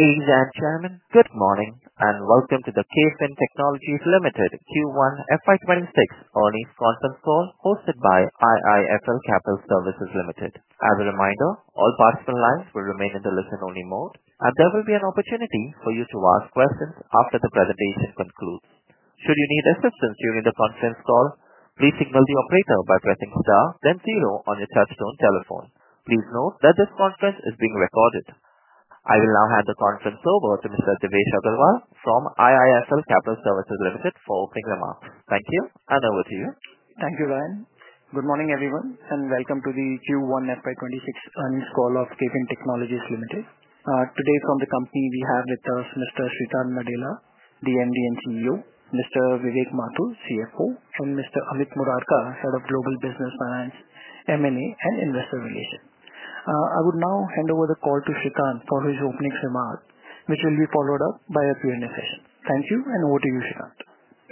Ladies and gentlemen, good morning, and welcome to the KFIN Technologies Limited Q1 FY 'twenty six Earnings Conference Call hosted by IIFL Capital Services Limited. As a reminder, all participants will remain in a listen only mode and there will be an opportunity for you to ask questions after the presentation concludes. Please note that this conference is being recorded. I will now hand the conference over to Mr. Devesh Agarwal from IIFL Capital Services Limited for Oppenheimer. Thank you, and over to you. Thank you, Ryan. Good morning, everyone, and welcome to the Q1 FY twenty six earnings call of KPM Technologies Limited. Today from the company, we have with us Mr. Srikanth Nadella, the MD and CEO Mr. Vivek Mathur, CFO and Mr. Amit Murarka, Head of Global Business Finance, M and A and Investor Relations. I would now hand over the call to Shikanth for his opening remarks, which will be followed up by a Q and A session. Thank you and over to you, Shikanth.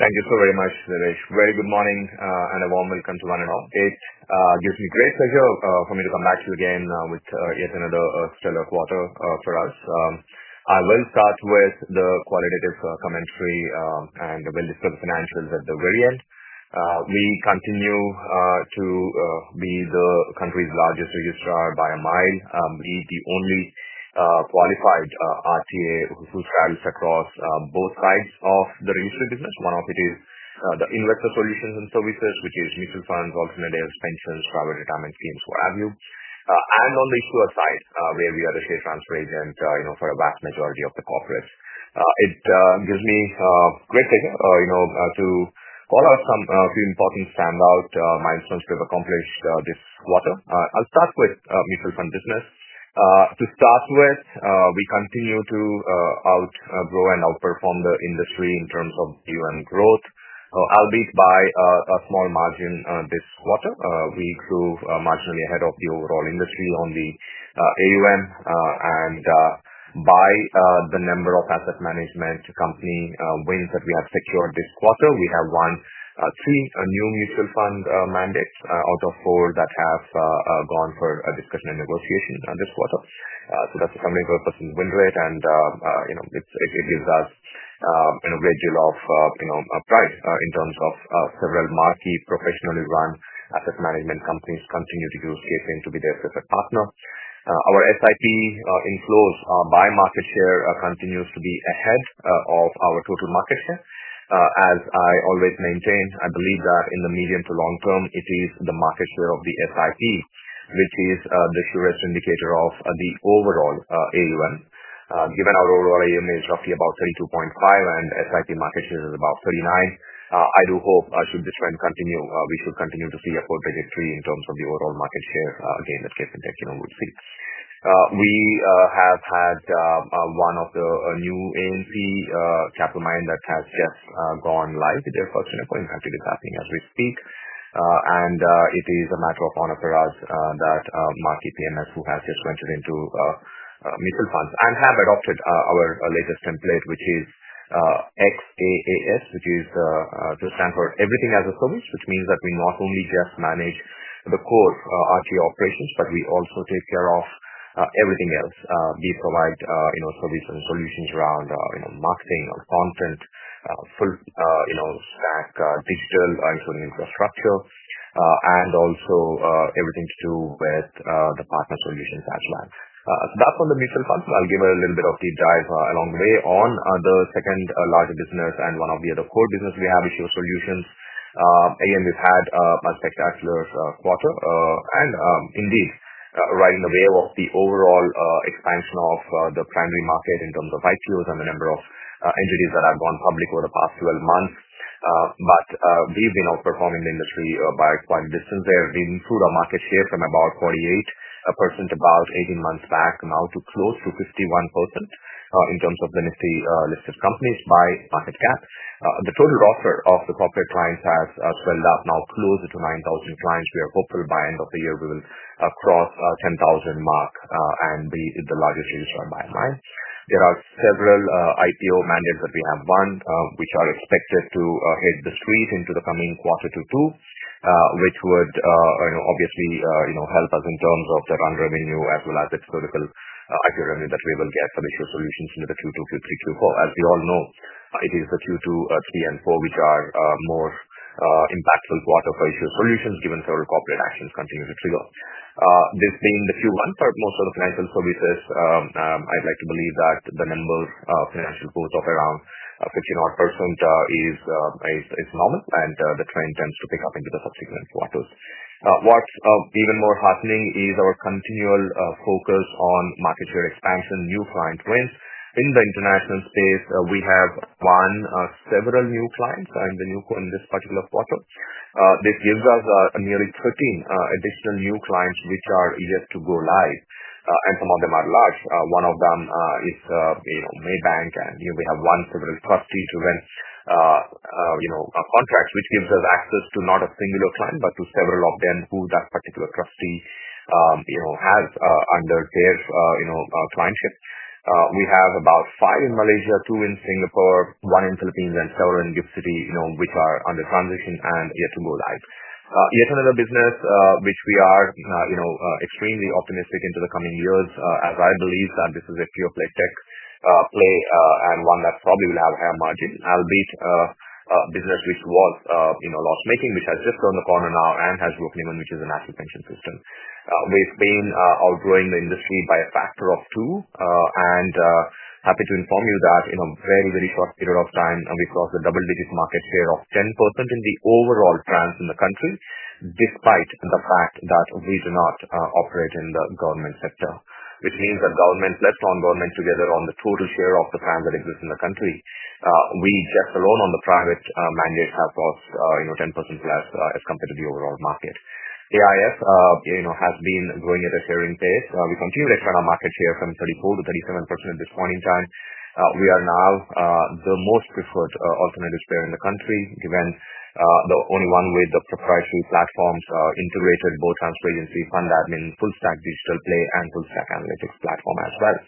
Thank you so very much, Dinesh. Very good morning and a warm welcome to run an update. It gives me great pleasure for me to come back to you again with yet another stellar quarter for us. I will start with the qualitative commentary, and we'll discuss the financials at the very end. We continue to be the country's largest registrar by a mile. We the only qualified RTA who who travels across both sides of the registry business. One of it is the investor solutions and services, which is mutual funds, alternate airs, pensions, private retirement schemes, what have you. And on the issuer side, where we are the share transfer agent, you know, for a vast majority of the corporates, it gives me great take, you know, to call out some few important standout milestones we've accomplished this quarter. I'll start with mutual fund business. To start with, we continue to outgrow and outperform the industry in terms of given growth. Albeit by a small margin this quarter. We grew marginally ahead of the overall industry on the AUM and by the number of asset management company wins that we have secured this quarter. We have won three new mutual fund mandates out of four that have gone for a discussion and negotiation on this quarter. So that's a 74% win rate, and, you know, it's it it gives us an a great deal of, you know, a price in terms of several marquee professionally run asset management companies continue to use KSAN to be their preferred partner. Our SIP inflows by market share continues to be ahead of our total market share. As I always maintained, I believe that in the medium to long term, it is the market share of the SIP, which is the surest indicator of the overall AUM. Given our overall AUM is roughly 32.5 and SIT market share is about 39. I do hope should this trend continue, we should continue to see a full trajectory in terms of the overall market share gain that Cape and Tech, you know, would see. We have had one of the new A and P Capital Mine that has just gone live. Their first and a point that it is happening as we speak. And it is a matter of honor for us that market PMS who has just entered into mutual funds and have adopted our latest template, which is x a a s, which is to stand for everything as a service, which means that we not only just manage the core IT operations, but we also take care of everything else. We provide, you know, service and solutions around, you know, marketing or content, full, you know, stack digital, including infrastructure, and also everything to do with the partner solutions as well. That's on the mutual funds. I'll give a little bit of deep dive along the way on the second larger business and one of the other core business we have, Issuer Solutions. Again, we've had much spectacular quarter and indeed right in the way of the overall expansion of the primary market in terms of IPOs and the number of entities that have gone public over the past twelve months. But we've been outperforming the industry by quite distance there. We improved our market share from about 48% about eighteen months back now to close to 51% in terms of the listed companies by market cap. The total roster of the corporate clients has swelled up now closer to 9,000 clients. We are hopeful by end of the year, will cross 10,000 mark and the the largest use run by line. There are several IPO mandates that we have won, which are expected to hit the street into the coming quarter to '2, which would, you know, obviously, you know, help us in terms of the run revenue as well as its vertical IT revenue that we will get for the issue solutions into the q two, q three, q four. As we all know, it is the q two, '3, and '4 which are more impactful quarter for issues. Solutions given several corporate actions continue to trigger. This being the q one for most of the financial services, I'd like to believe that the number of financial growth of around 50 naught percent is is is normal, and the trend tends to pick up into the subsequent quarters. What's even more happening is our continual focus on market share expansion, new client wins. In the international space, we have one several new clients and the new in this particular quarter. This gives us nearly 13 additional new clients which are yet to go live, and some of them are large. One of them is, you know, Maybank and, you know, we have one several trustee to rent, you know, a contract which gives us access to not a singular client, but to several of them who that particular trustee, you know, has under their, you know, client shift. We have about five in Malaysia, two in Singapore, one in Philippines, and several in Gibsity, you know, which are under transition and yet to go live. Yet another business which we are, you know, extremely optimistic into the coming years as I believe that this is a pure play tech play and one that probably will have higher margin. I'll beat business which was, you loss know, making, which has just turned the corner now and has which is an asset pension system. We've been outgrowing the industry by a factor of two, and happy to inform you that in a very, short period of time, we crossed the double digit market share of 10% in the overall plans in the country despite the fact that we do not operate in the government sector, which means that government, let's non government together on the total share of the plan that exists in the country. We just alone on the private mandate have cost, you know, 10% plus as compared to the overall market. AIF, you know, has been growing at a sharing pace. We continue to extend our market share from 34 to 37% at this point in time. We are now the most preferred alternative player in the country, given the only one with the proprietary platforms integrated both transparency fund admin, full stack digital play, and full stack analytics platform as well.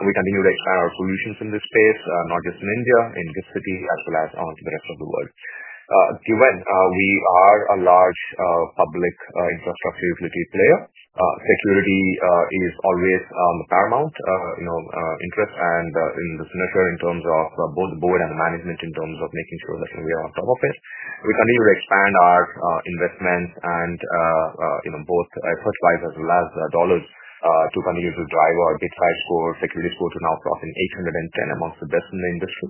We continue to expand our solutions in this space, not just in India, in this city, well as on to the rest of the world. Given we are a large public infrastructure utility player, security is always on the paramount, you know, interest and in the signature in terms of both the board and the management in terms of making sure that we are on top of it. We continue to expand our investments and, you know, both as well as the dollars to continue to drive our bit size score, security score to now profit 810 amongst the best in the industry.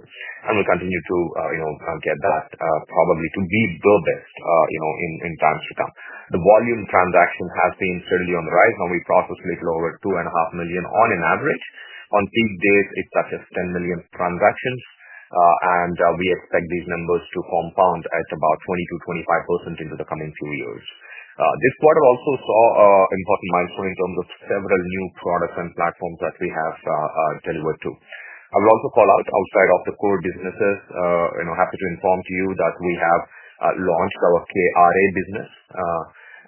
And we'll continue to, you know, get that probably to be the best, you know, in in times to come. The volume transaction has been steadily on the rise, and we process little over two and a half million on an average. On peak days, it's such as 10,000,000 transactions, and we expect these numbers to compound at about 20 to 25% into the coming few years. This quarter also saw, important milestone in terms of several new products and platforms that we have delivered to. I will also call out outside of the core businesses, you know, happy to inform to you that we have launched our KRA business.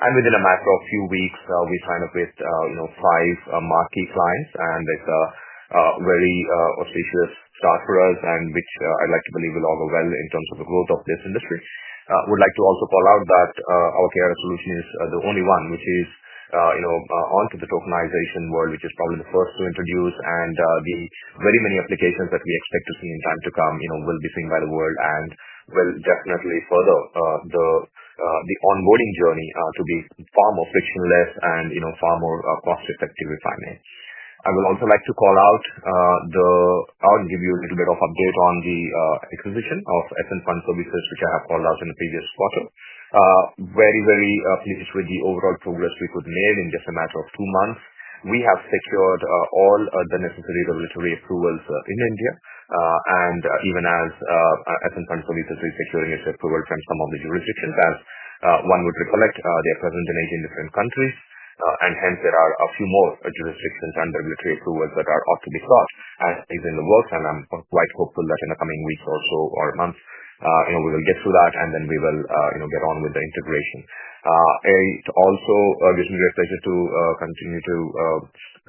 And within a matter of few weeks, we signed up with, you know, five marquee clients and it's a very osticious start for us and which I like to believe will all go well in terms of the growth of this industry. I would like to also call out that our carrier solution is the only one which is, you know, onto the tokenization world, which is probably the first to introduce and the very many applications that we expect to see in time to come, you know, will be seen by the world and will definitely further the the onboarding journey to be far more frictionless and, you know, far more cost effective with finance. I will also like to call out the I'll give you a little bit of update on the acquisition of FN Fund Services, which I have called out in the previous quarter. Very, very pleased with the overall progress we could made in just a matter of two months. We have secured all the necessary regulatory approvals in India. And even as Essent Fund Services is securing its approval from some of the jurisdictions as one would recollect their present in 18 different countries. And hence, there are a few more jurisdictions under military approvals that are ought to be thought and is in the works. And I'm quite hopeful that in the coming weeks or so or months, you know, we will get through that and then we will, you know, get on with the integration. It also gives me a pleasure to continue to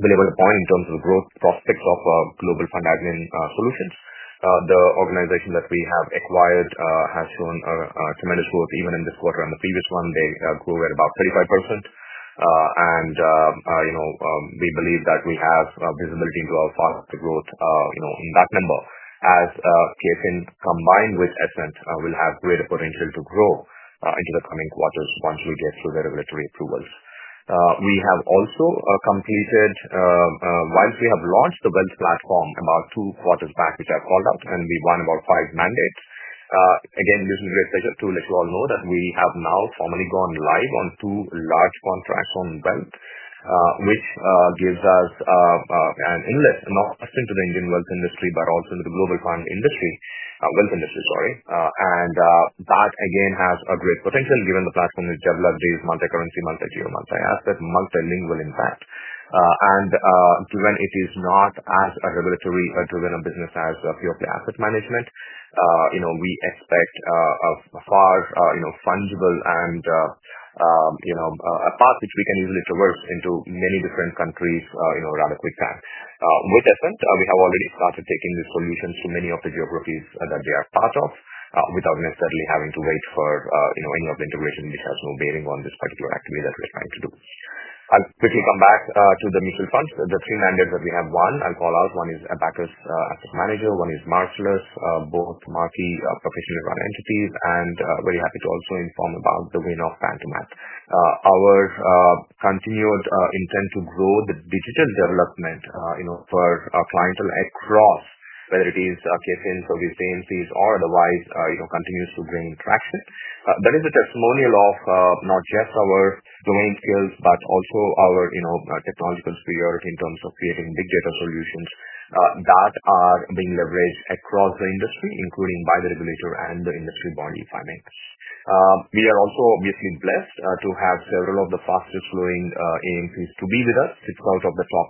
deliver the point in terms of growth prospects of global fund admin solutions. The organization that we have acquired has shown a tremendous growth even in this quarter and the previous one, they grew at about 35%. And, you know, we believe that we have visibility into our path to growth, you know, in that number as Pearson combined with Essent will have greater potential to grow into the coming quarters once we get through the regulatory approvals. We have also completed once we have launched the wealth platform about two quarters back, which I called out, and we won about five mandates. Again, using great pleasure to let you all know that we have now formally gone live on two large contracts on wealth, which gives us an in list, not a sense to the Indian wealth industry, but also into the global fund industry wealth industry. Sorry. And that, again, has a great potential given the platform with several of these multi currency, multi geo, multi asset, multilingual impact. And to when it is not as a regulatory driven business as a pure play asset management, You know, we expect a far, you know, fungible and, you know, a path which we can easily traverse into many different countries, you know, rather quick time. With that, we have already started taking these solutions to many of the geographies that they are part of without necessarily having to wait for, you know, any of the integration which has no bearing on this particular activity that we're trying to do. I'll quickly come back to the mutual funds. The three lenders that we have won, I'll call out. One is Abacus Asset Manager, one is March less, both marquee professional entities, and very happy to also inform about the win of Pantomac. Our continued intent to grow the digital development, you know, for our clientele across whether it is case in service, the agencies, or otherwise, you know, continues to bring traction. That is a testimonial of not just our domain skills, but also our, you know, technological spirit in terms of creating big data solutions that are being leveraged across the industry, including by the regulator and the industry body finance. We are also, obviously, blessed to have several of the fastest growing AMPs to be with us. Six out of the top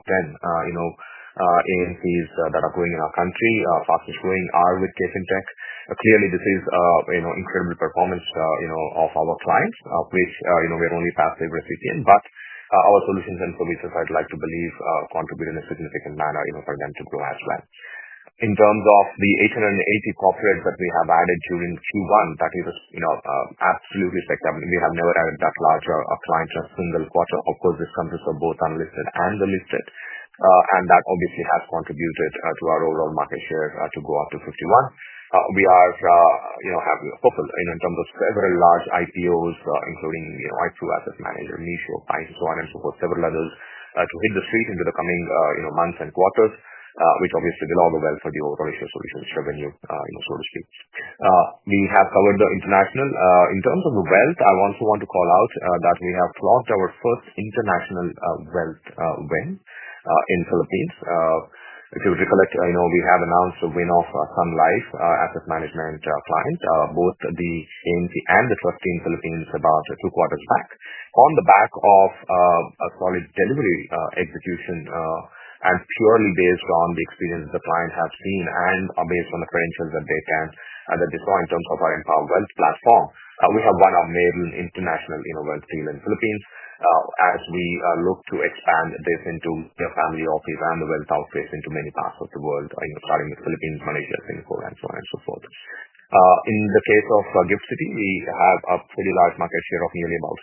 10, you know, AMPs that are growing in our country, fastest growing are with Case and Tech. Clearly, this is, you know, incredible performance, you know, of our clients, which, you know, we're only passive recipient. But our solutions and services, I'd like to believe, contribute in a significant manner even for them to grow as well. In terms of the 880 corporate that we have added during q one, that is, you know, absolutely spectacular. We have never added that large client in a single quarter. Of course, this country is both unlisted and the listed, And that obviously has contributed to our overall market share to go up to 51. We are, you know, happy hopeful, you know, terms of several large IPOs including, you know, IPO asset manager, mutual client, on and so forth, several levels to hit the street into the coming, you know, months and quarters, which obviously belong to wealth for the auto ratio solutions revenue, you know, so to speak. We have covered the international. In terms of the wealth, I also want to call out that we have launched our first international wealth win in Philippines. If you recollect, I know we have announced a win of Sun Life asset management client, both the agency and the trustee in Philippines about two quarters back On the back of a solid delivery execution and purely based on the experience the client has seen and based on the credentials that they can and that they saw in terms of our Empower Wealth platform, we have one of made in international, you know, wealth deal in Philippines as we look to expand this into their family office and the wealth office into many parts of the world, you know, starting with Philippines, Malaysia, Singapore, and so on and so forth. In the case of Gibcity, we have a pretty large market share of nearly about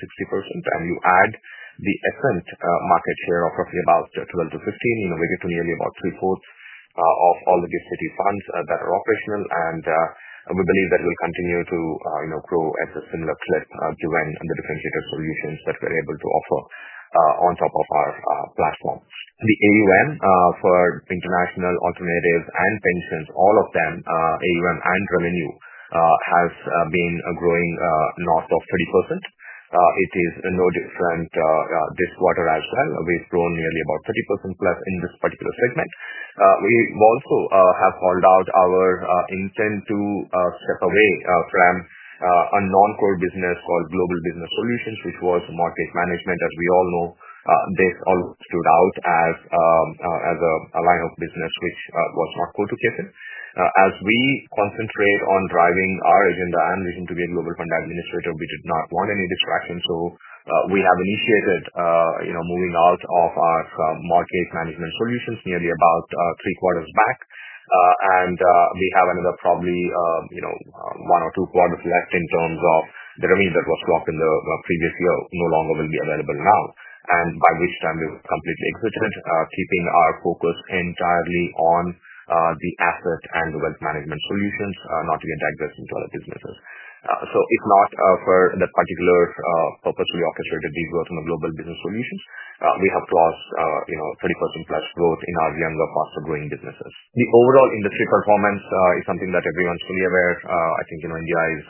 60%, and you add the essence market share of roughly about 12 to 15, you know, we get to nearly about three fourths of all the gift city funds that are operational. And we believe that we'll continue to, you know, grow at a similar clip to end on the differentiated solutions that we're able to offer on top of our platform. The AUM for international, alternative, and pensions, all of them, AUM and revenue has been growing north of 30%. It is no different this quarter as well. We've grown nearly about 30% plus in this particular segment. We also have called out our intent to step away from a noncore business called global business solutions, which was market management. As we all know, they all stood out as as a a line of business, which was not core to Ketan. As we concentrate on driving our agenda and vision to be a global administrator, we did not want any distraction. So we have initiated, you know, moving out of our market management solutions nearly about three quarters back. And we have another probably, you know, one or two quarters left in terms of the remain that was locked in the previous year no longer will be available now. And by which time, we will completely exited, keeping our focus entirely on the asset and wealth management solutions, not to get that business into other businesses. So if not for the particular purpose, we orchestrate the deep growth in the global business solutions. We have crossed, you know, 30% plus growth in our younger, faster growing businesses. The overall industry performance is something that everyone's fully aware. I think, you know, India is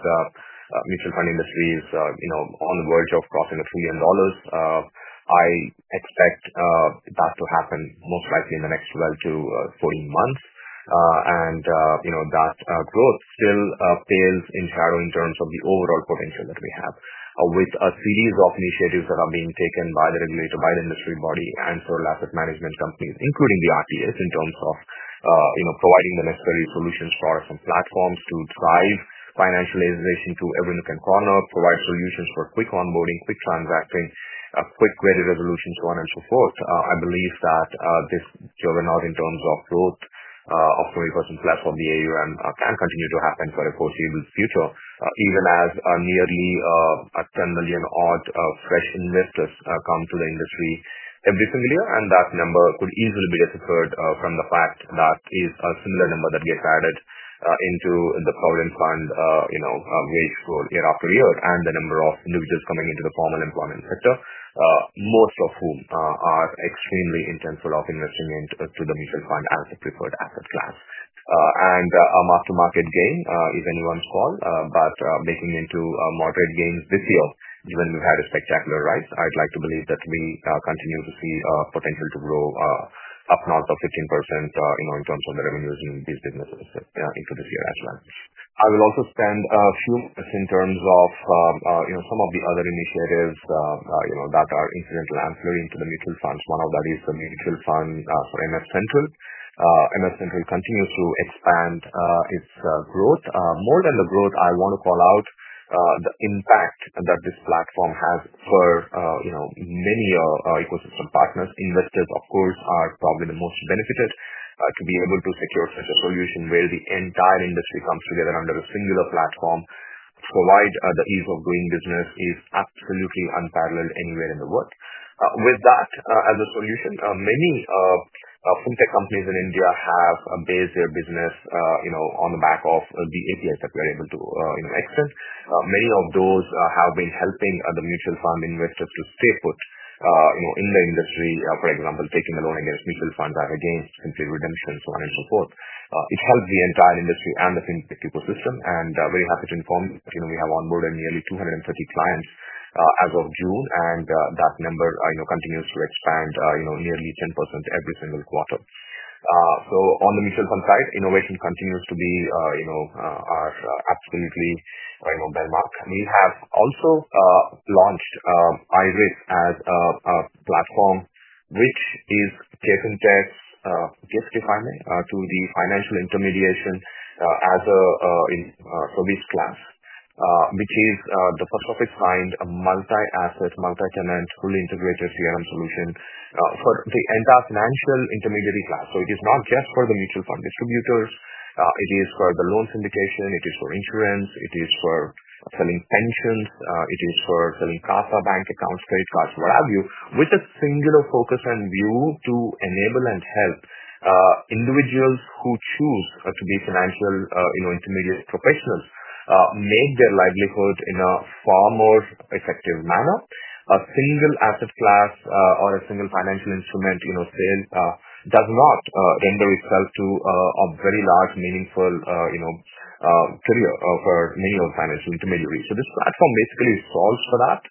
mutual fund industries, you know, on the verge of crossing a trillion dollars. I expect that to happen most likely in the next twelve to fourteen months. And, you know, that growth still fails in shadow in terms of the overall potential that we have. With a series of initiatives that are being taken by the regulator, by the industry body, and sole asset management companies, including the RTS in terms of, you know, providing the necessary solutions for some platforms to drive financialization to every nook and corner, provide solutions for quick onboarding, quick transacting, quick credit resolution, so on and so forth. I believe that this driven out in terms of growth of 20% platform, the AUM can continue to happen for the foreseeable future even as nearly a 10,000,000 odd of fresh investors come to the industry every single year, and that number could easily be deferred from the fact that is a similar number that gets added into the Poland fund, you know, wage for year after year and the number of new just coming into the formal employment sector. Most of whom extremely intensive of investing into the mutual fund as a preferred asset class. And a mark to market gain is anyone's call, but making into a moderate gain this year, even we had a spectacular rise, I'd like to believe that we continue to see a potential to grow up north of 15%, you know, in terms of the revenues in these businesses, yeah, into this year as well. I will also spend a few minutes in terms of, you know, some of the other initiatives, you know, that are incidental ancillary to the mutual funds. One of that is the mutual fund for MF Central. MF Central continues to expand its growth. More than the growth, I wanna call out the impact that this platform has for, you know, many ecosystem partners. Investors, of course, are probably the most benefited to be able to secure such a solution where the entire industry comes together under a singular platform to provide the ease of doing business is absolutely unparalleled anywhere in the world. With that as a solution, many fintech companies in India have based their business, you know, on the back of the APIs that we're able to, you know, access. Many of those have been helping other mutual fund investors to stay put, you know, in the industry. For example, taking the loan against mutual funds out against simply redemption, so on and so forth. It helped the entire industry and the fintech ecosystem, and very happy to inform, you know, we have onboarded nearly 230 clients as of June, and that number, you know, continues to expand, you know, nearly 10% every single quarter. So on the mutual fund side, innovation continues to be, you know, are absolutely right mobile market. We have also launched Iris as a a platform, which is case and text just defining to the financial intermediation as a in for this class, which is the first of its kind, a multi asset, multi tenant, fully integrated CRM solution for the entire financial intermediary class. So it is not just for the mutual fund distributors. It is for the loan syndication. It is for insurance. It is for selling pensions. It is for selling Casa bank accounts, credit cards, what have you, with a singular focus and view to enable and help individuals who choose to be financial, you know, intermediate professionals make their livelihood in a far more effective manner. A single asset class or a single financial instrument, you know, sales does not render itself to a a very large meaningful, you know, career of our manual financial intermediary. So this platform basically solves for that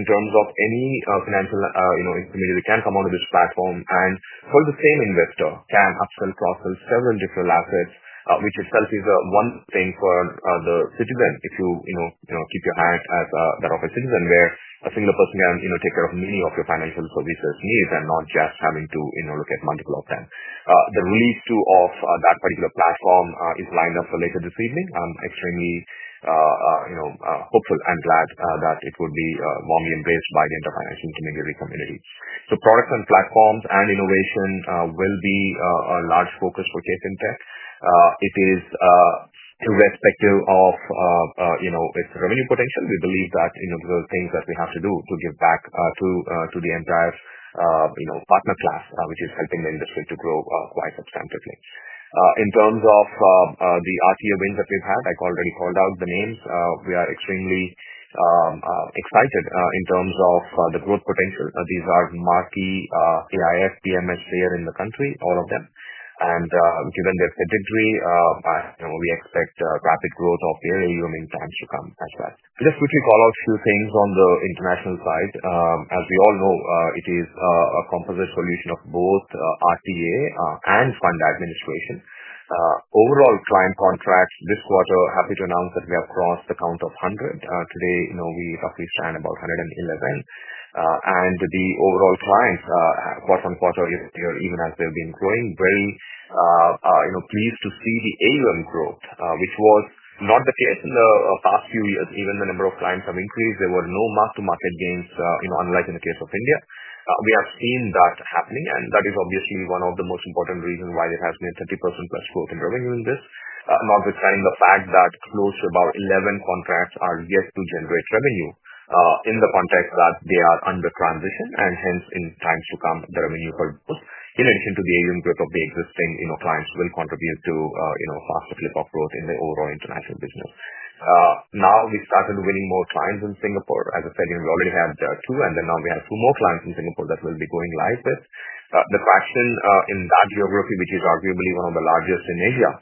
in terms of any financial, you know, intermediary can come on with this platform and for the same investor can upsell process several different assets, which itself is one thing for the citizen if you, you know, you know, keep your eyes as a that of a citizen where a single person can, you know, take care of many of your financial services needs and not just having to, you know, look at multiple of them. The release too of that particular platform is lined up related this evening. I'm extremely, you know, hopeful and glad that it would be warmly embraced by the inter financial intermediary community. So products and platforms and innovation will be a a large focus for K Fintech. It is irrespective of, you know, its revenue potential. We believe that, you know, the things that we have to do to give back to to the entire, you know, partner class, which is helping the industry to grow quite substantively. In terms of the RTA wins that we've had, I've already called out the names. We are extremely excited in terms of the growth potential. These are marquee AIF PMS player in the country, all of them. And given their trajectory, you know, we expect rapid growth of their AUM in times to come as well. Just quickly call out few things on the international side. As we all know, it is a a composite solution of both RTA and fund administration. Overall client contracts this quarter, happy to announce that we have crossed the count of 100. Today, you know, we roughly stand about 111. And the overall clients, quarter on quarter, even as they've been growing, very, you know, pleased to see the AUM growth, which was not the case in the past few years. Even the number of clients have increased. There were no mark to market gains, you know, unlike in the case of India. We have seen that happening, and that is obviously one of the most important reason why it has been a 30% plus growth in revenue in this, notwithstanding the fact that close to about 11 contracts are yet to generate revenue in the context that they are under transition and hence in times to come the revenue purpose. In addition to the AUM group of the existing, you know, clients will contribute to, you know, faster clip of growth in the overall international business. Now we started winning more clients in Singapore. As I said, we already have two, and then now we have two more clients in Singapore that will be going live with. The fraction in that geography, which is arguably one of the largest in Asia,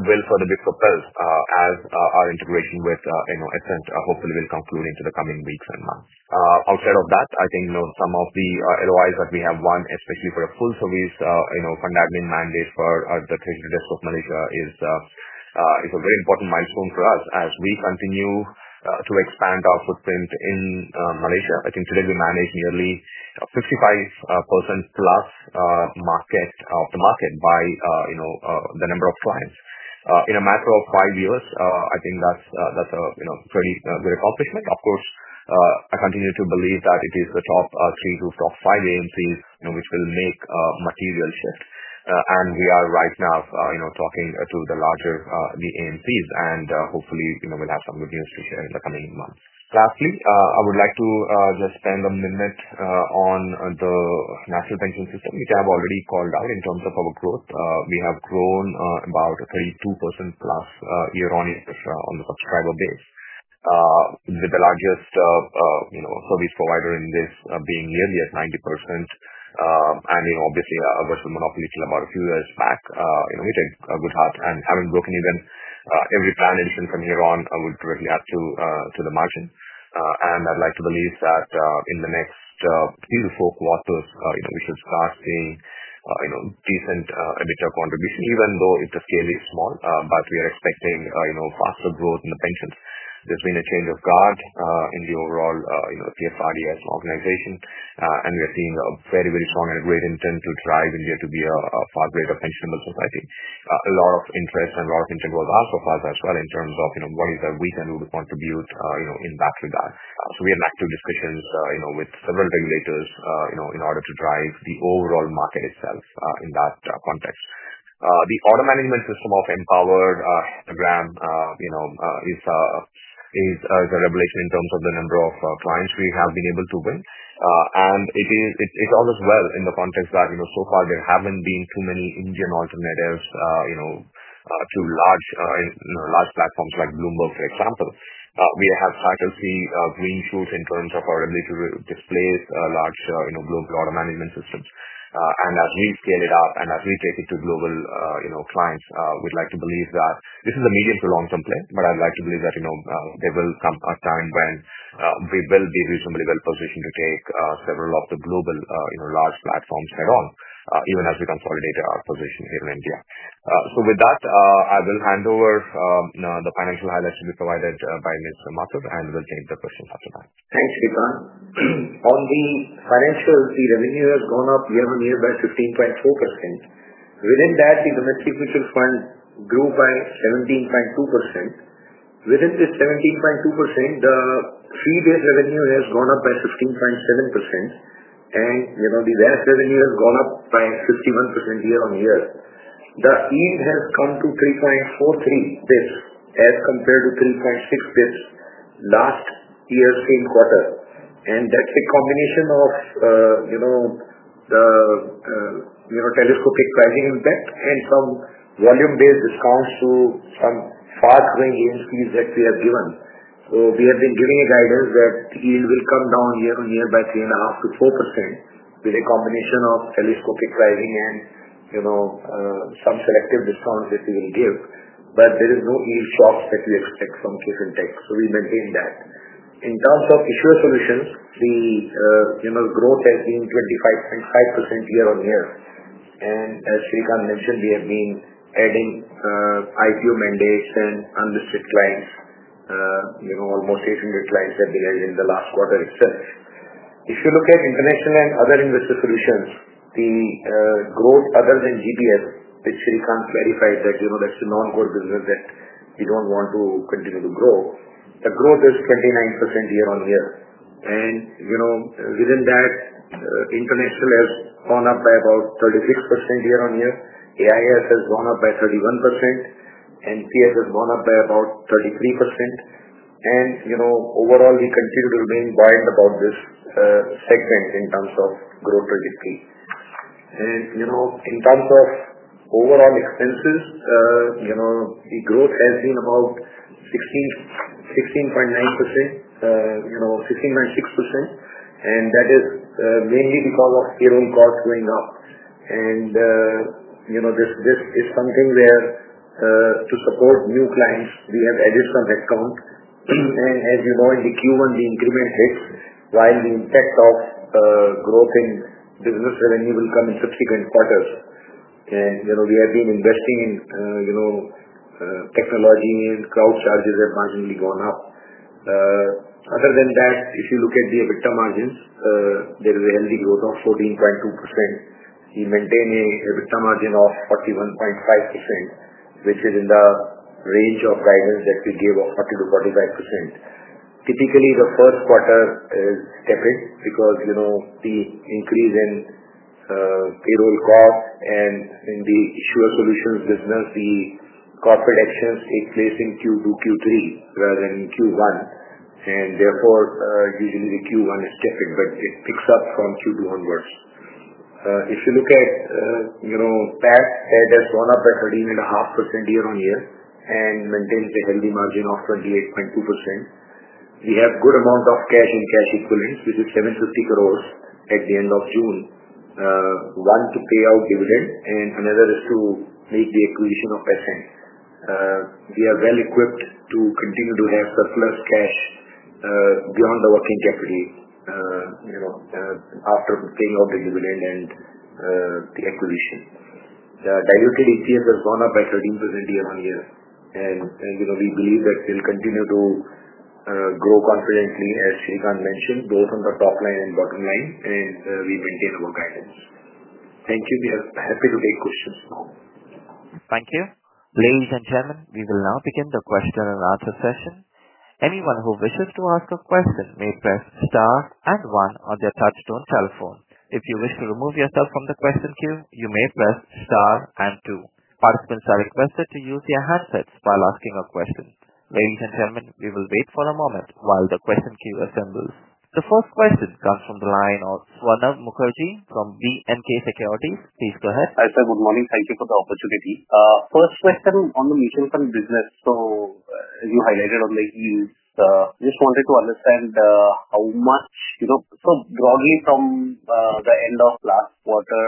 will further be proposed as our integration with, you know, Essent hopefully will conclude into the coming weeks and months. Outside of that, I think, you know, some of the LOIs that we have won, especially for a full service, you know, funding mandate for the treasury desk of Malaysia is is a very important milestone for us as we continue to expand our footprint in Malaysia. I think today we manage nearly 55% plus market of the market by, you know, the number of clients. In a matter of five years, I think that's that's a, you know, pretty good accomplishment. Of course, I continue to believe that it is the top three to top five AMCs, you know, which will make a material shift. And we are right now, you know, talking to the larger the AMCs. And, hopefully, you know, we'll have some good news to share in the coming months. Lastly, I would like to just spend a minute on the national banking system, which I have already called out in terms of our growth. We have grown about 32% plus year on year on the subscriber base with the largest, you know, service provider in this being nearly at 90%. And, you know, obviously, a virtual monopoly till about a few years back, you know, we take a good heart and having broken even every plan engine from here on, I would really add to to the margin. And I'd like to believe that in the next three to four quarters, you know, we should start seeing, you know, decent EBITDA contribution even though it's scale is small, but we are expecting, you know, faster growth in the pensions. There's been a change of guard in the overall, you know, PFRD as an organization, And we are seeing a very, very strong and a great intent to drive India to be a a far greater pensionable society. A lot of interest and lot of interest was asked so far as well in terms of, you know, what is that we can do to contribute, you know, in that regard. So we have active discussions, you know, with several regulators, you know, in order to drive the overall market itself in that context. The auto management system of Empower, Deepgram, you know, is is is a revelation in terms of the number of clients we have been able to win. And it is it it all is well in the context that, you know, so far there haven't been too many Indian alternatives, you know, to large, know, large platforms like Bloomberg, for example. We have title c green shoots in terms of our ability to displace a large, you know, global auto management systems. And as we scale it up and as we take it to global, you know, clients, we'd like to believe that this is a medium to long term plan, but I'd like to believe that, you know, there will come a time when we will be reasonably well positioned to take several of the global large platforms head on even as we consolidate our position here in India. So with that, I will hand over the financial highlights to be provided by Mr. Mathur, and we'll take the questions Thanks, Ketan. On the financials, the revenue has gone up year on year by 15.4%. Within that, the domestic mutual fund grew by 17.2%. Within this 17.2%, the fee based revenue has gone up by 15.7% and the VAS revenue has gone up by 51% year on year. The yield has come to 3.43 bps as compared to 3.6 bps last year's same quarter. And that's a combination of telescopic pricing impact and some volume based discounts to some fast growing gains fees that we have given. So we have been giving a guidance that yield will come down year on year by 3.5% to 4% with a combination of telescopic pricing and some selective discounts that we will give. But there is no yield shocks that we expect from case and tech. So we maintain that. In terms of issuer solutions, the growth has been 25.5% year on year. And as Srikanth mentioned, we have been adding IPO mandates and unrestricted clients, almost 800 clients have delayed in the last quarter itself. If you look at international and other investor solutions, the growth other than GBS, which Srikanth clarified that, that's a noncore business that we don't want to continue to grow, the growth is 39% year on year. And within that, international has gone up by about 36% year on year, AIS has gone up by 31%, NPS has gone up by about 33%. And overall, we continue to remain buoyant about this segment in terms of growth trajectory. And in terms of overall expenses, the growth has been about 16.916.6%, and that is mainly because of payroll costs going up. And this is something where to support new clients, we have added some headcount. And as you know, in the Q1, the increment hits, while the impact of growth in business revenue will come in subsequent quarters. And we have been investing in technology and crowd charges have marginally gone up. Other than that, if you look at the EBITDA margins, there is a healthy growth of 14.2%. We maintain a EBITDA margin of 41.5%, which is in the range of guidance that we gave of 40% to 45%. Typically, the first quarter is tepid because the increase in payroll costs and in the Issuer Solutions business, the corporate actions take place in Q2, Q3 rather than in Q1. And therefore, usually the Q1 is different, but it picks up from Q2 onwards. If you look at PAT had us one up at 13.5% year on year and maintained a healthy margin of 28.2%. We have good amount of cash and cash equivalents, which is 750 crores at the June, one to pay out dividend and another is to make the acquisition of Paysend. We are well equipped to continue to have surplus cash beyond the working capital after paying off the dividend and the acquisition. Diluted EPS has gone up by 13% year on year. And we believe that we'll continue to grow confidently, as Sridhar mentioned, both on the top line and bottom line, and we maintain our guidance. Thank you. We are happy to take questions now. Thank you. Ladies and gentlemen, we will now begin the question and answer session. The first question comes from the line of Swanav Mukherjee from BNK Securities. First question on the mutual fund business. So as you highlighted on the yield, just wanted to understand how much so broadly from the end of last quarter,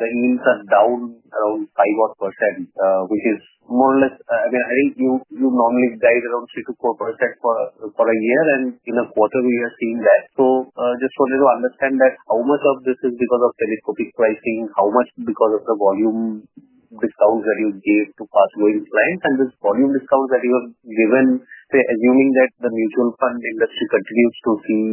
the yields are down around 5% which is more or less I mean, I think you normally guide around three to 4% for a year. And in a quarter, we are seeing that. So just wanted to understand that how much of this is because of telescopic pricing? How much because of the volume discount that you gave to pass going clients? And this volume discount that you have given, assuming that the mutual fund industry continues to see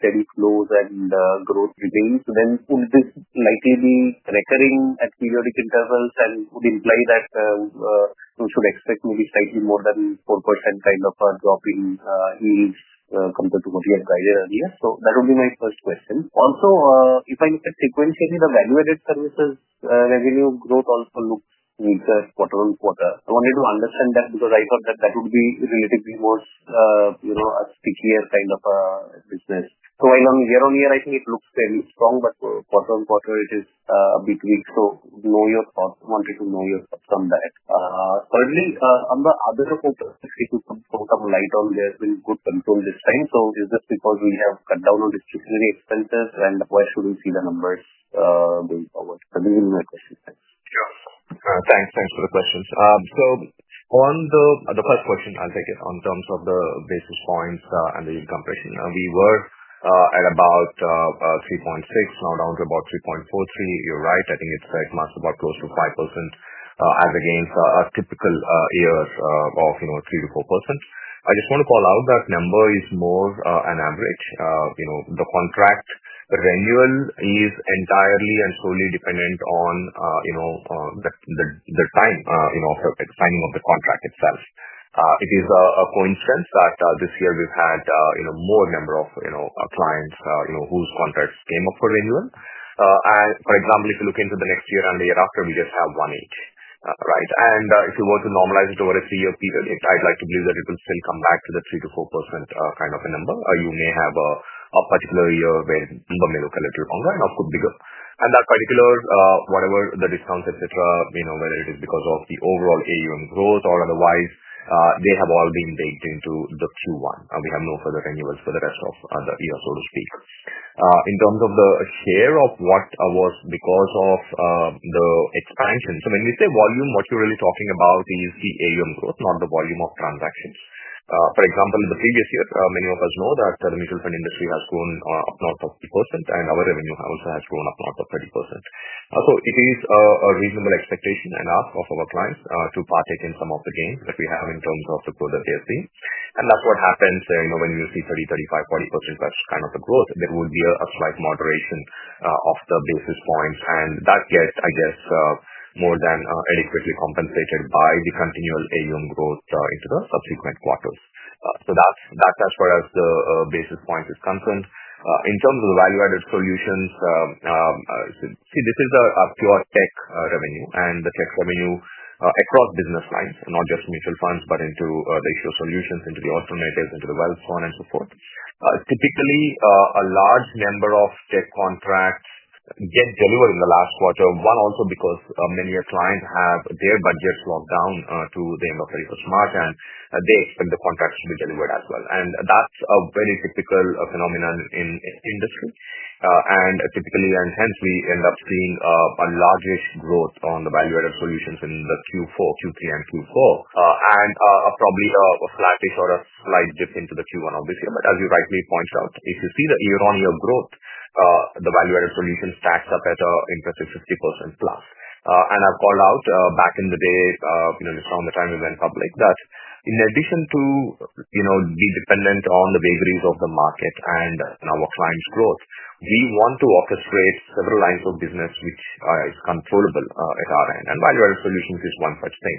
steady flows and growth remains, then will this likely be recurring at periodic intervals and would imply that we should expect maybe slightly more than 4% kind of a drop in yields compared to what we have guided earlier? So that will be my first question. Also, if I can say sequentially, the value added services revenue growth also looks weaker quarter on quarter. I wanted to understand that because I thought that that would be relatively worse, you know, a stickier kind of a business. Going on year on year, think it looks fairly strong, but for quarter on quarter, it is a bit weak. So know your thoughts. Wanted to know your thoughts on that. Thirdly, on the other report, the system from from the light on there has been good control this time. So is this because we have cut down on discretionary expenses? And why should we see the numbers going forward? That will be my question. Thanks. Sure. Thanks. Thanks for the questions. So on the the first question, I'll take it, on terms of the basis points and the income ratio. We were at about 3.6, now down to about 3.43. You're right. I think it's like, much about close to 5% as against a typical years of, you know, three to 4%. I just wanna call out that number is more an average. You know, the contract renewal is entirely and solely dependent on, you know, the the the time, you know, for signing of the contract itself. It is a a coincidence that this year we've had, you know, more number of, you know, clients, you know, whose contracts came up for renewal. And, for example, if you look into the next year and the year after, we just have one eight. Right? And if you were to normalize it over a three year period, it I'd like to believe that it will still come back to the three to 4% kind of a number. You may have a a particular year where number may look a little longer and also bigger. And that particular, whatever the discount, etcetera, you know, whether it is because of the overall AUM growth or otherwise, they have all been baked into the q one. We have no further renewals for the rest of the year, so to speak. In terms of the share of what was because of the expansion. So when we say volume, what you're really talking about is the AUM growth, not the volume of transactions. For example, in the previous year, many of us know that the mutual fund industry has grown up north of 2%, and our revenue house has grown up north of 30%. So it is a a reasonable expectation and ask of our clients to partake in some of the gains that we have in terms of the growth that they are seeing. And that's what happens, you know, when you see thirty, thirty five, 40%, that's kind of the growth. There will be a slight moderation of the basis points and that get, I guess, more than adequately compensated by the continual AUM growth into the subsequent quarters. So that's that's as far as the basis point is concerned. In terms of the value added solutions, see, this is a pure tech revenue and the tech revenue across business lines, not just mutual funds, but into the issue solutions, into the alternatives, into the wealth, so on and so forth. Typically, a large number of tech contracts get delivered in the last quarter, one also because many of clients have their budgets locked down to the end of the first March and they expect the contracts to be delivered as well. And that's a very typical phenomenon in industry. And typically and hence, we end up seeing a largest growth on the value added solutions in the q four, q three, and q four, and probably a flattish or a slight dip into the q one of this year. But as you rightly point out, if you see the year on year growth, the value added solutions stacks up at a interest of 50% plus. And I've called out back in the day, you know, just on the time we went public that in addition to, you know, be dependent on the vagaries of the market and and our clients' growth, we want to orchestrate several lines of business which is controllable at our end. And value added solutions is one such thing.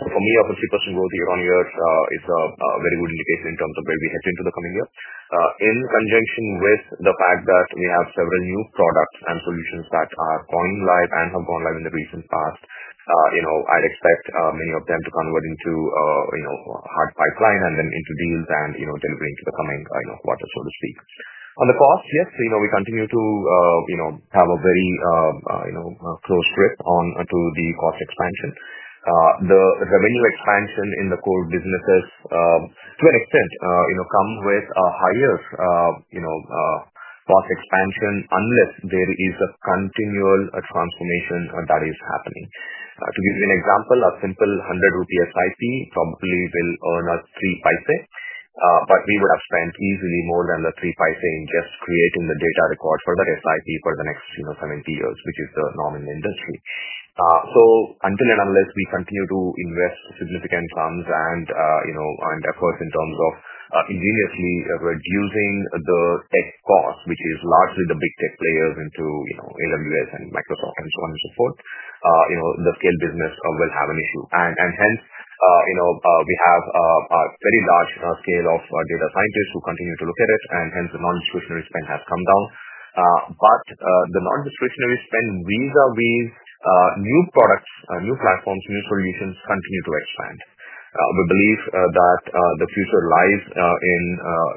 So for me, up to 3% growth year on year is a very good indication in terms of where we head into the coming year. In conjunction with the fact that we have several new products and solutions that are going live and have gone live in the recent past, you know, I'd expect many of them to convert into, you know, hard pipeline and then into deals and, you know, delivering to the coming, you know, quarter, so to speak. On the cost, yes, you know, we continue to, you know, have a very, you know, close grip on to the cost expansion. The the menu expansion in the core businesses to an extent, you know, come with a higher, you know, cost expansion unless there is a continual transformation that is happening. To give you an example, a simple 100 SIP probably will earn a 3 paise, but we would have spent easily more than the 3 paise in just creating the data record for that SIP for the next, you know, seventy years, which is the norm in the industry. So until and unless we continue to invest significant funds and, you know, and of course in terms of ingeniously reducing the tech cost, which is largely the big tech players into, you know, AWS and Microsoft and so on and so forth, you know, the scale business will have an issue. And and hence, you know, we have a a very large scale of data scientists who continue to look at it, and hence, the nondiscretionary spend has come down. But the nondiscretionary spend vis a vis new products, new platforms, new solutions continue to expand. We believe that the future lies in,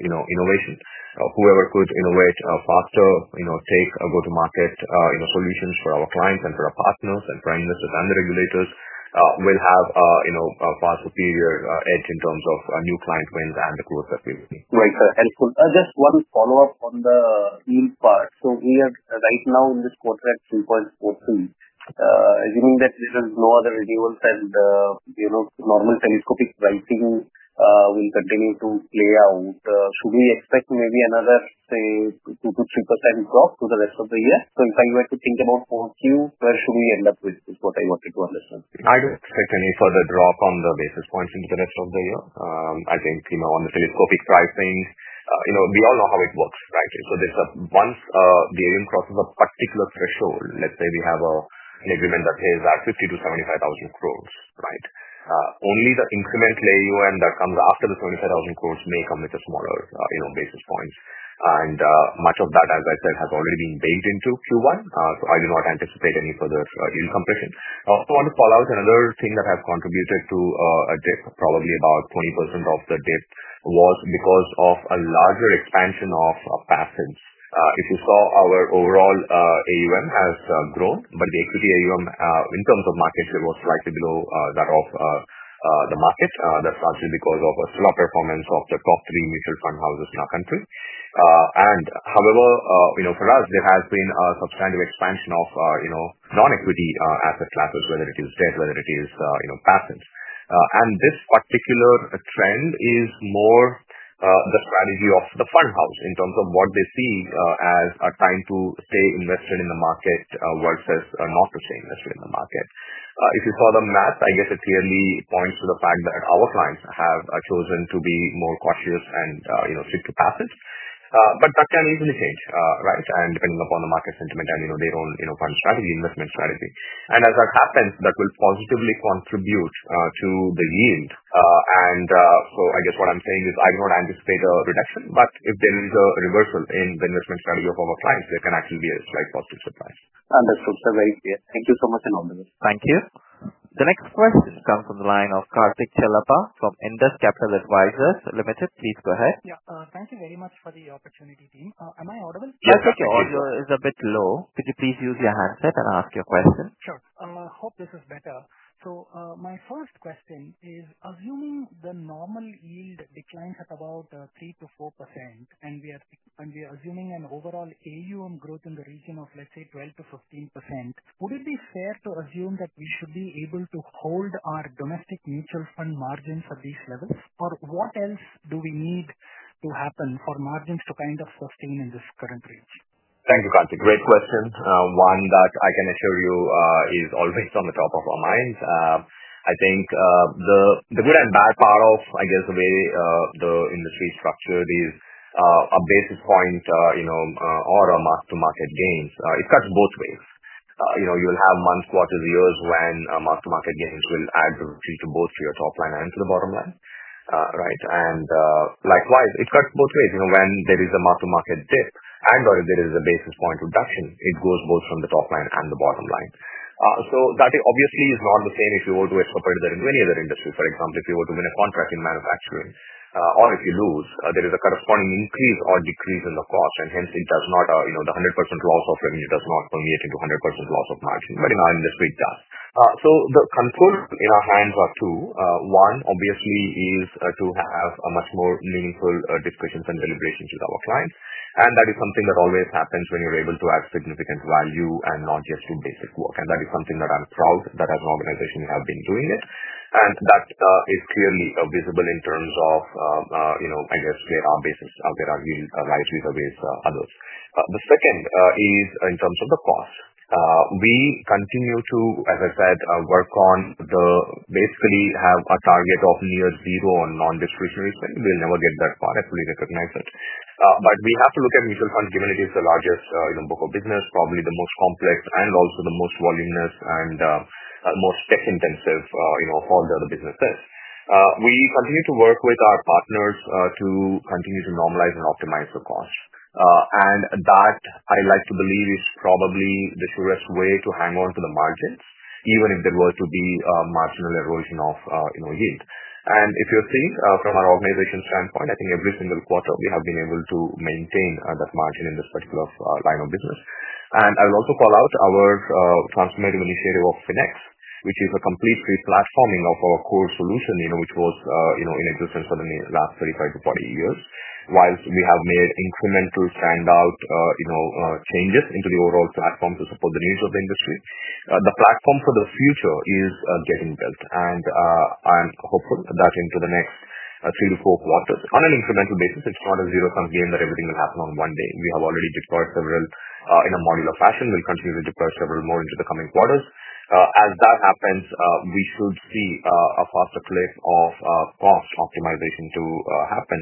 you know, innovation. Whoever could innovate faster, you know, take a go to market, you know, solutions for our clients and for our partners and prime ministers and the regulators will have, you know, a far superior edge in terms of new client wins and the growth that we will need. Right, sir. Helpful. Just one follow-up on the yield part. So we are right now in this quarter at 2.43. Assuming that there is no other renewals and, you know, normal telescopic pricing will continue to play out. Should we expect maybe another, say, two to 3% drop for the rest of the year? So if I were to think about q, where should we end up with is what I wanted to understand. I don't expect any further drop on the basis points into the rest of the year. I think, you know, on the telescopic pricing, you know, we all know how it works. Right? So there's a once the area crosses a particular threshold, let's say we have a an agreement that pays at 50 to 75,000 crores. Right? Only the incremental AUM that comes after the 75,000 crores may come with a smaller, you know, basis points. And much of that, as I said, has already been baked into q one. So I do not anticipate any further yield compression. I also want to follow-up another thing that has contributed to a dip, probably about 20% of the dip was because of a larger expansion of of passage. If you saw our overall AUM has grown, but the equity AUM in terms of market, it was slightly below that of the market. That's actually because of a slower performance of the top three mutual fund houses in our country. And, however, you know, for us, there has been a substantial expansion of, you know, non equity asset classes, whether it is debt, whether it is, you know, patents. And this particular trend is more the strategy of the fund house in terms of what they see as a time to stay invested in the market versus not to stay the market. If you saw the math, I guess it clearly points to the fact that our clients have chosen to be more cautious and, you know, seek to pass it. But that can easily change. Right? And depending upon the market sentiment and, you know, their own, you know, fund strategy, investment strategy. And as that happens, that will positively contribute to the yield. And so I guess what I'm saying is I don't anticipate a reduction, but if there is a reversal in the investment strategy of our clients, there can actually be a slight positive surprise. Understood, sir. Very clear. Thank you so much and all the best. Thank you. The next question comes from the line of Kartik Chelapa from Indus Capital Advisors Limited. Please go ahead. Yeah. Thank you very much for the opportunity, team. Am I audible? Yes. Okay. Audio is a bit low. Could you please use your handset and ask your question? Sure. Hope this is better. So my first question is assuming the normal yield declines at about 3% to 4% and we are and we are assuming an overall AUM growth in the region of, let's say, 12% to 15%, would it be fair to assume that we should be able to hold our domestic mutual fund margins at these levels? Or what else do we need to happen for margins to kind of sustain in this current range? Thank you, Kanti. Great question. One that I can assure you is always on the top of our mind. I think the the good and bad part of, I guess, the way the industry is structured is a basis point, you know, or a mark to market gains. It cuts both ways. You know, you will have month, quarter, years when mark to market gains will add to both to your top line and to the bottom line. Right? And likewise, it cuts both ways, you know, when there is a mark to market dip and or there is a basis point reduction, it goes both from the top line and the bottom line. So that obviously is not the same if you were to extrapolate that in many other industries. For example, if you were to win a contract in manufacturing or if you lose, there is a corresponding increase or decrease in the cost. And hence, it does not you know, the 100% loss of revenue does not permeate into 100% loss of margin, but in our industry it does. So the control in our hands are two. One, obviously, is to have a much more meaningful discussions and deliberations with our clients. And that is something that always happens when you're able to add significant value and not just to basic work. And that is something that I'm proud that as an organization have been doing it. And that is clearly visible in terms of, you know, I guess, where our basis of their ideal life user base others. The second is in terms of the cost. We continue to, as I said, work on the basically have a target of near zero on nondiscretionary spend. We'll never get that far. I fully recognize it. But we have to look at mutual funds given it is the largest, you know, book of business, probably the most complex and also the most voluminous and most tech intensive, you know, of all the other businesses. We continue to work with our partners to continue to normalize and optimize the cost. And that, I like to believe, is probably the surest way to hang on to the margins even if there were to be a marginal erosion of, you know, yield. And if you're seeing from our organization standpoint, I think every single quarter, we have been able to maintain that margin in this particular line of business. And I'll also call out our transformative initiative of FinEx, which is a complete replatforming of our core solution, you know, which was, you know, in existence for the last thirty five to forty years. Whilst we have made incremental stand out, you know, changes into the overall platform to support the needs of the industry. The platform for the future is getting built, and I'm hopeful that into the next three to four quarters. On an incremental basis, it's not a zero sum game that everything will happen on one day. We have already deployed several in a modular fashion. We'll continue to deploy several more into the coming quarters. As that happens, we should see a faster clip of cost optimization to happen,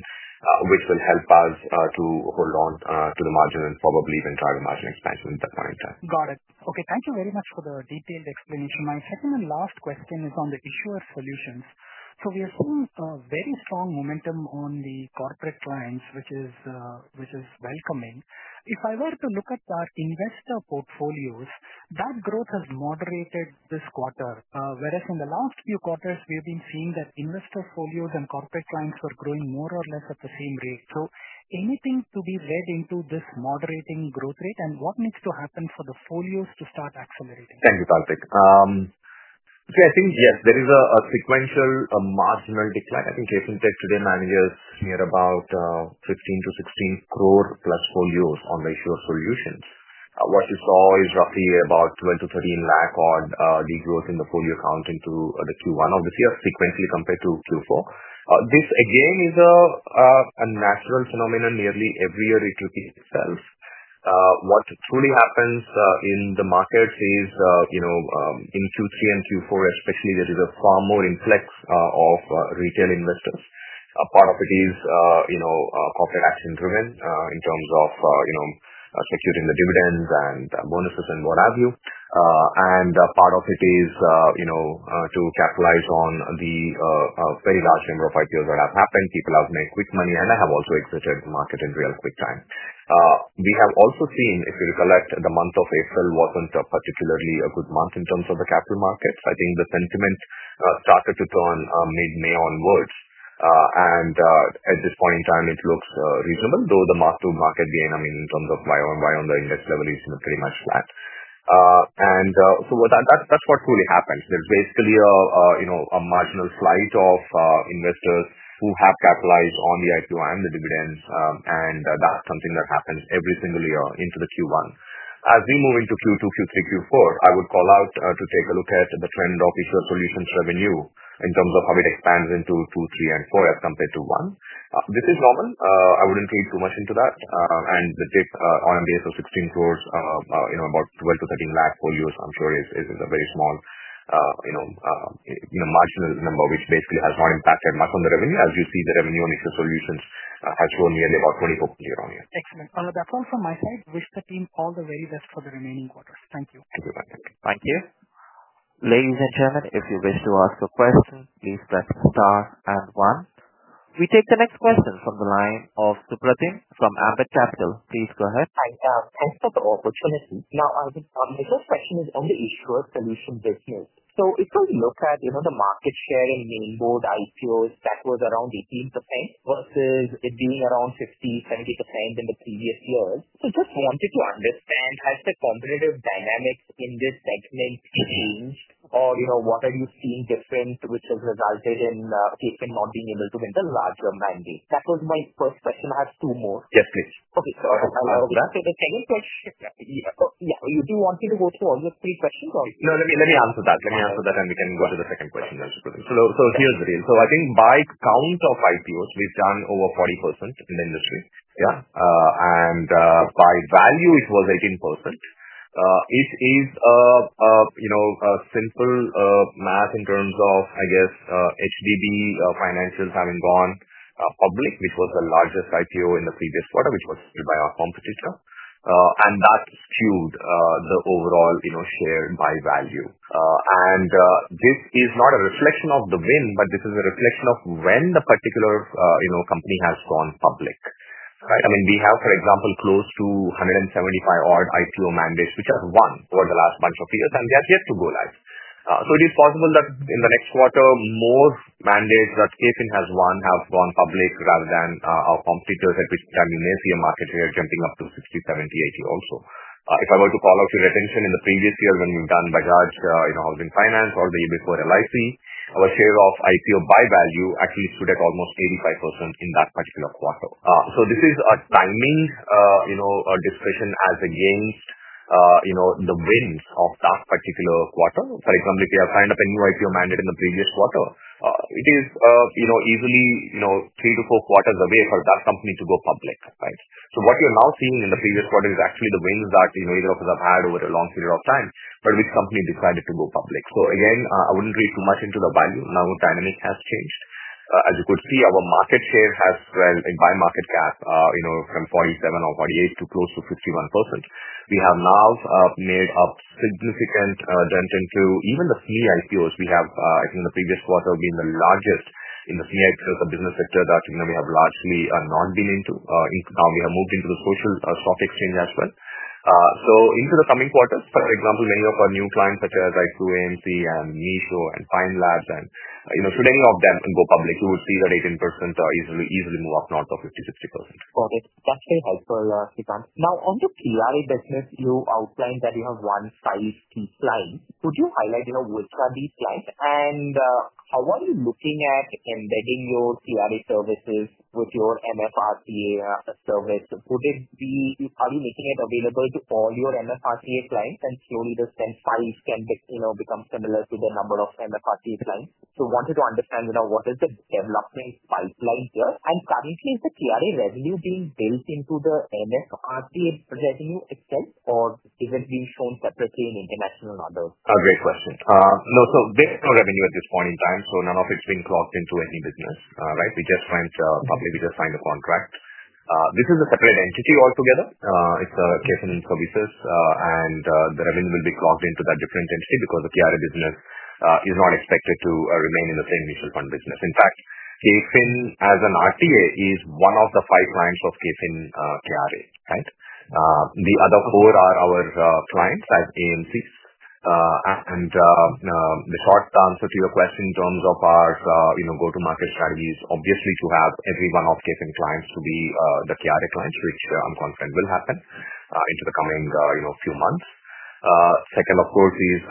which will help us to hold on to the margin and probably even try the margin expansion at that point in time. Got it. Okay. Thank you very much for the detailed explanation. My second and last question is on the issuer solutions. So we are seeing a very strong momentum on the corporate clients, which is which is welcoming. If I were to look at our investor portfolios, that growth has moderated this quarter. Whereas in the last few quarters, we have been seeing that investor portfolios and corporate clients were growing more or less at the same rate. So anything to be read into this moderating growth rate, and what needs to happen for the folios to start accelerating? Thank you, Baltic. See, I think, yes, there is a a sequential a marginal decline. I think Jason said today managers here about 15 to 16 core plus four years on the Azure solutions. What you saw is roughly about 12 to 13 on the growth in the full year accounting to the q one of this year, sequentially compared to q four. This again is a natural phenomenon nearly every year itself. What truly happens in the market is, you know, in q three and q four, especially, there is a far more influx of retail investors. A part of it is, you know, corporate action driven in terms of, you know, securing the dividends and bonuses and what have you. And part of it is, you know, to capitalize on the very large number of IPOs that have happened. People have made quick money, and I have also exited the market in real quick time. We have also seen, if you recollect, the month of April wasn't particularly a good month in terms of the capital markets. I think the sentiment started to turn mid May onwards. And at this point in time, it looks reasonable, though the mark to market gain, I mean, terms of why on why on the index level is pretty much flat. And so what that's what truly happens. There's basically a, you know, a marginal flight of investors who have capitalized on the IQ and the dividends, and that's something that happens every single year into the q one. As we move into q two, q three, q four, I would call out to take a look at the trend of issuer solutions revenue in terms of how it expands into two, three, and four as compared to one. This is Norman. I wouldn't read too much into that. And the date on the days of 16 crores, you know, about 12 to 13 lakh for years. I'm sure it's it's a very small, you know, you know, marginal number which basically has not impacted much on the revenue. As you see, the revenue on initial solutions has shown nearly about 24 year on year. Excellent. That's all from my side. Wish the team all the very best for the remaining quarters. Thank you. Thank you, ma'am. Thank you. Ladies and gentlemen, if you wish to ask a question, please press and one. We take the next question from the line of Dupra Ting from Abbott Capital. Please go ahead. Hi. Thanks for the opportunity. Now I was the first question is on the Issuer Solution business. So if I look at, you know, the market share in mainboard IPOs, that was around 18% versus it being around 70% in the previous years. So just wanted to understand, has the competitive dynamics in this segment changed? Or, you know, what are you seeing different which has resulted in case you're not being able to win the larger mandate? That was my first question. I have two more. Yes, please. Okay. So I'll I'll repeat that. So the second question yeah. Yeah. You do want me to go through all the three questions or No. Let me let me answer that. Let me answer that, and we can go to the second question. That's good. So so here's the deal. So I think by count of IPOs, we've done over 40% in the industry. Yeah. And by value, it was 18%. It is, you know, a simple math in terms of, I guess, HDB financials having gone public, which was the largest IPO in the previous quarter, which was by our competitor. And that skewed the overall, you know, share by value. And this is not a reflection of the win, but this is a reflection of when the particular, you know, company has gone public. Right? I mean, we have, for example, close to 175 odd IPO mandates, which are one for the last bunch of years, and they are yet to go live. So it is possible that in the next quarter, more mandates that KFIN has won have gone public rather than our competitors at which time you may see a market here jumping up to sixty, seventy, 80 also. If I were to call out your attention in the previous year when we've done by Raj, you know, all in finance or the e b four l I c, our share of IPO by value actually stood at almost 85% in that particular quarter. So this is a timing, you know, a discussion as against, you know, the wins of that particular quarter. For example, if you have signed up a new IPO mandate in the previous quarter, it is, you know, easily, you know, three to four quarters away for that company to go public. Right? So what you're now seeing in the previous quarter is actually the wins that, you know, you have to have had over a long period of time, but which company decided to go public. So, again, I wouldn't read too much into the value. Now dynamic has changed. As you could see, our market share has spread by market cap, you know, from 47 or 48 to close to 51%. We have now made up significant dent into even the fee IPOs. We have, I think, the previous quarter being the largest in the fee IPOs, the business sector that, you know, we have largely a non billing to. Now we have moved into the social stock exchange as well. So into the coming quarters, for example, many of our new clients such as, like, and and and Fine Labs and, you know, should any of them can go public, you would see that 18% easily easily move up north of 60%. Got it. That's very helpful, Sipan. Now on the CRA business, you outlined that you have one five key clients. Would you highlight, you know, which are these clients? And how are you looking at embedding your CRA services with your MFRTA service? Would it be are you making it available to all your MFRTA clients and surely the same files can, you know, become similar to the number of MFRTA clients? So wanted to understand, you know, what is the development pipeline here? And currently, is the TRA revenue being built into the MSRP revenue itself, or is it being shown separately in international order? Great question. No. So based on revenue at this point in time, so none of it's been clogged into any business. Right? We just went probably we just signed a contract. This is a separate entity altogether. It's a case and services, and the revenue will be clogged into that different entity because the PR business is not expected to remain in the same mutual fund business. In fact, KFIN as an RPA is one of the five clients of KFIN Kiara. Right? The other four are our clients as AMCs. And the short answer to your question in terms of our, you know, go to market strategy is obviously to have every one of different clients to be the Kari clients, which I'm confident will happen into the coming, you know, few months. Second, of course, is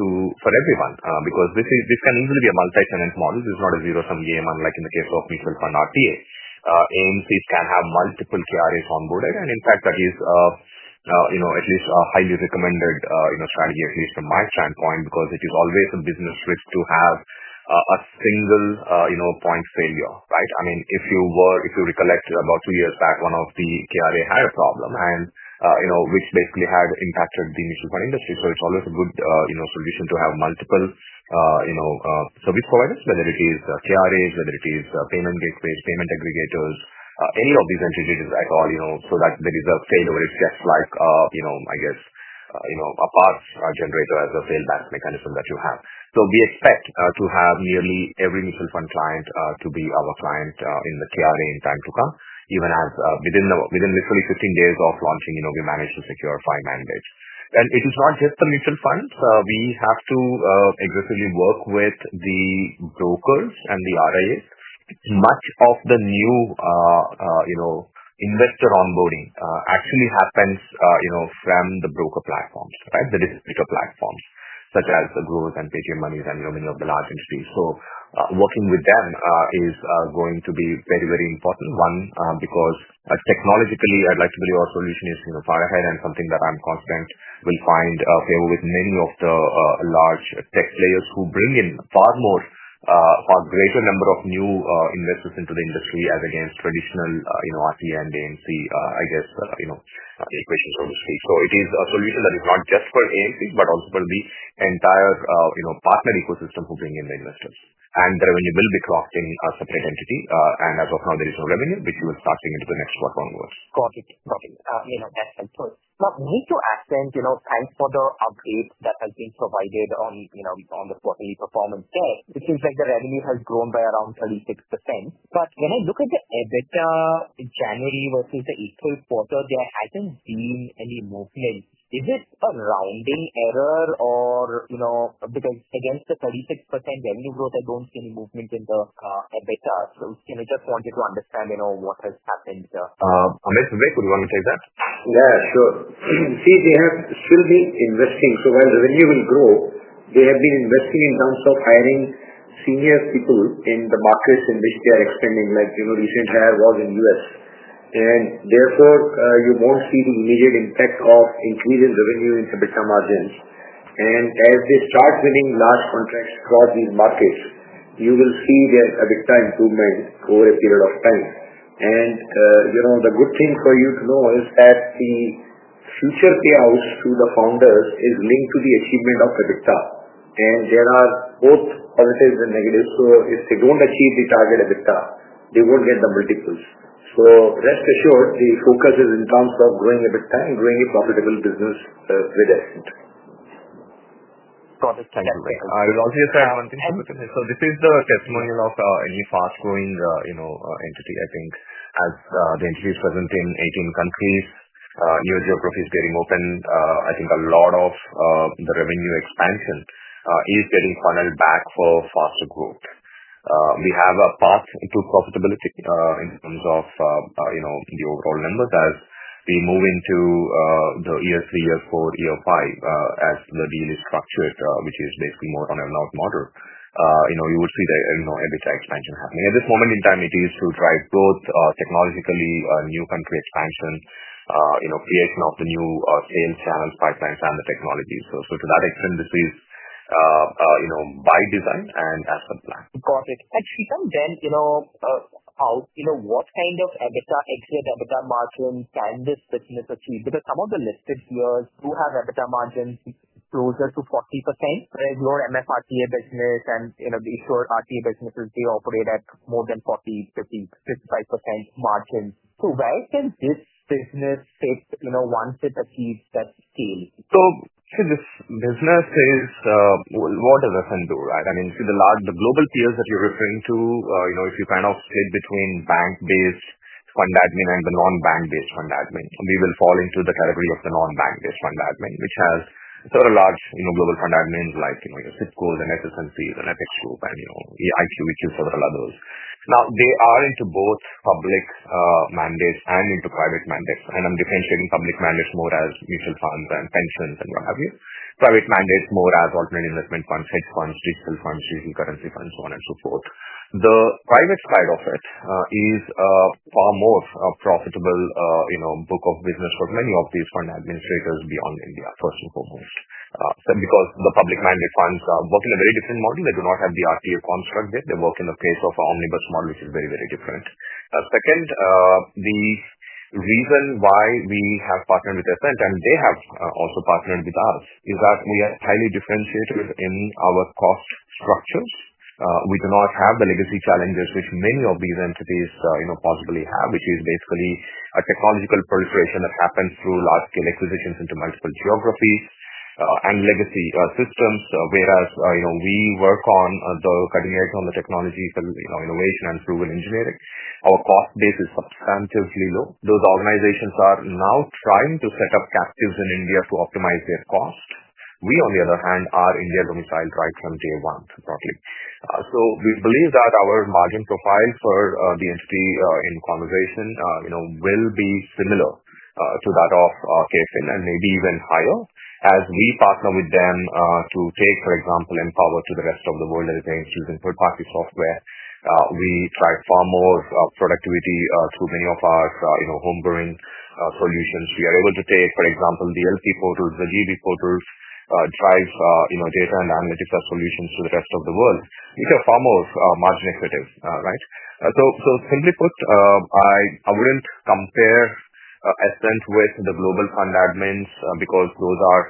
to for everyone because this is this can easily be a multi tenant model. This not a zero sum game unlike in the case of mutual fund RPA. And this can have multiple carriers onboarded, and in fact, that is, you know, at least a highly recommended, you know, strategy, at least from my standpoint because it is always a business risk to have a single, you know, point failure. Right? I mean, if you were if you recollect about two years back, one of the KRA had a problem and, you know, which basically had impacted the mutual fund industry. So it's always a good, you know, solution to have multiple, you know, service providers, whether it is KRAs, whether it is payment gateways, payment aggregators, any of these entities I call, you know, so that there is a failover. It's just like, you know, I guess, you know, a part generator as a failback mechanism that you have. So we expect to have nearly every mutual fund client to be our client in the TRA in time to come even as within the within the fully fifteen days of launching, you know, we manage to secure five mandates. And it is not just the mutual funds. We have to aggressively work with the brokers and the RIA. Much of the new, you know, investor onboarding actually happens, you know, from the broker platforms. Right? The distributor platforms, such as the growth and pay your money and, you many of the large industries. So working with them is going to be very, very important one because technologically, I'd like to believe our solution is, you know, far ahead and something that I'm confident we'll find a favor with many of the large tech players who bring in far more far greater number of new investors into the industry as against traditional, you know, RT and AMC, I guess, you know, the equation, so to speak. So it is a solution that is not just for AMC, but also for the entire, you know, partner ecosystem to bring in the investors. And the revenue will be clocked in a separate entity. And as of now, there is no revenue, which you will start into the next one onwards. Got it. Got it. You know, that's helpful. Now need to accent, you know, thanks for the update that has been provided on, you know, on the quarterly performance there. It seems like the revenue has grown by around 36%. But when I look at the EBITDA in January versus the April, there hasn't been any movement. Is it a rounding error or, you know, because against the 36% revenue growth, I don't see any movement in the EBITDA. So just wanted to understand what has happened there? Amit, Vivek, would want to take that? Yes, sure. See, they have still been investing. So while revenue will grow, they have been investing in terms of hiring senior people in the markets in which they are expanding like recent hire was in U. S. And therefore, you won't see the immediate impact of increase in revenue and EBITDA margins. And as they start winning large contracts across these markets, you will see their EBITDA improvement over a period of time. And the good thing for you to know is that the future payouts to the founders is linked to the achievement of EBITDA. And there are both positives and negatives. So if they don't achieve the target EBITDA, they won't get the multiples. So rest assured, the focus is in terms of growing EBITDA and growing a profitable business with Essent. Got it. Thank you very much. I will also say, one thing I will at here. So this is the testimonial of any fast growing entity, I think, as the entity is present in 18 countries, new geographies getting open, I think a lot of the revenue expansion is getting funneled back for faster growth. We have a path into profitability in terms of, you know, the overall numbers as we move into the year three, year four, year five as the deal is structured, which is basically more on a lot model. You know, you would see the, you know, EBITDA expansion happening. At this moment in time, it is to drive both technologically, new country expansion, you know, creation of the new sales channels, pipelines, and the technology. So so to that extent, this is, you know, by design and as a plan. Got it. And, Shetham, then, you know, how you know, what kind of EBITDA exit EBITDA margin can this business achieve? Because some of the listed here do have EBITDA margins closer to 40%. Right? Your MF RPA business and, you know, the issuer RPA business is the operator more than 405055% margin. So where can this business fit, you know, once it achieves that scale? So so this business is what does that do? Right? I mean, so the large the global peers that you're referring to, you know, if you kind of split between bank based fund admin and the non bank based fund admin, we will fall into the category of the non bank based fund admin, which has sort of large, you know, global fund admins like, you know, your ZIP code and SSN fees and ethics group and, you know, the IQ which is sort of a lot of those. Now they are into both public mandates and into private mandates, and I'm differentiating public mandates more as mutual funds and pensions and what have you. Private mandates more as alternate investment funds, hedge funds, digital funds, trading currency funds, on and so forth. The private side of it is far more profitable, you know, book of business for many of these fund administrators beyond India, first and foremost. So because the public money funds are working a very different model, they do not have the RTA construct there. They work in the case of omnibus model, which is very, very different. Second, the reason why we have partnered with Essent and they have also partnered with us is that we are highly differentiated within our cost structures. We do not have the legacy challenges, which many of these entities, you know, possibly have, which is basically a technological proliferation that happens through large scale acquisitions into multiple geographies and legacy systems. Whereas, you know, we work on the cutting edge on the technology, you know, innovation and proven engineering. Our cost base is substantially low. Those organizations are now trying to set up captives in India to optimize their cost. We, on the other hand, are India lomiciled right from day one, probably. So we believe that our margin profile for the entity in conversation, you know, will be similar to that of case and then maybe even higher as we partner with them to take, for example, Empower to the rest of the world that is being choosing third party software. We try far more productivity through many of our, you know, homebring solutions. We are able to take, for example, the LP portals, the GB portals, drive, you know, data and analytics solutions to the rest of the world. These are far more margin accretive. Alright? So so simply put, I I wouldn't compare Essence with the global fund admins because those are,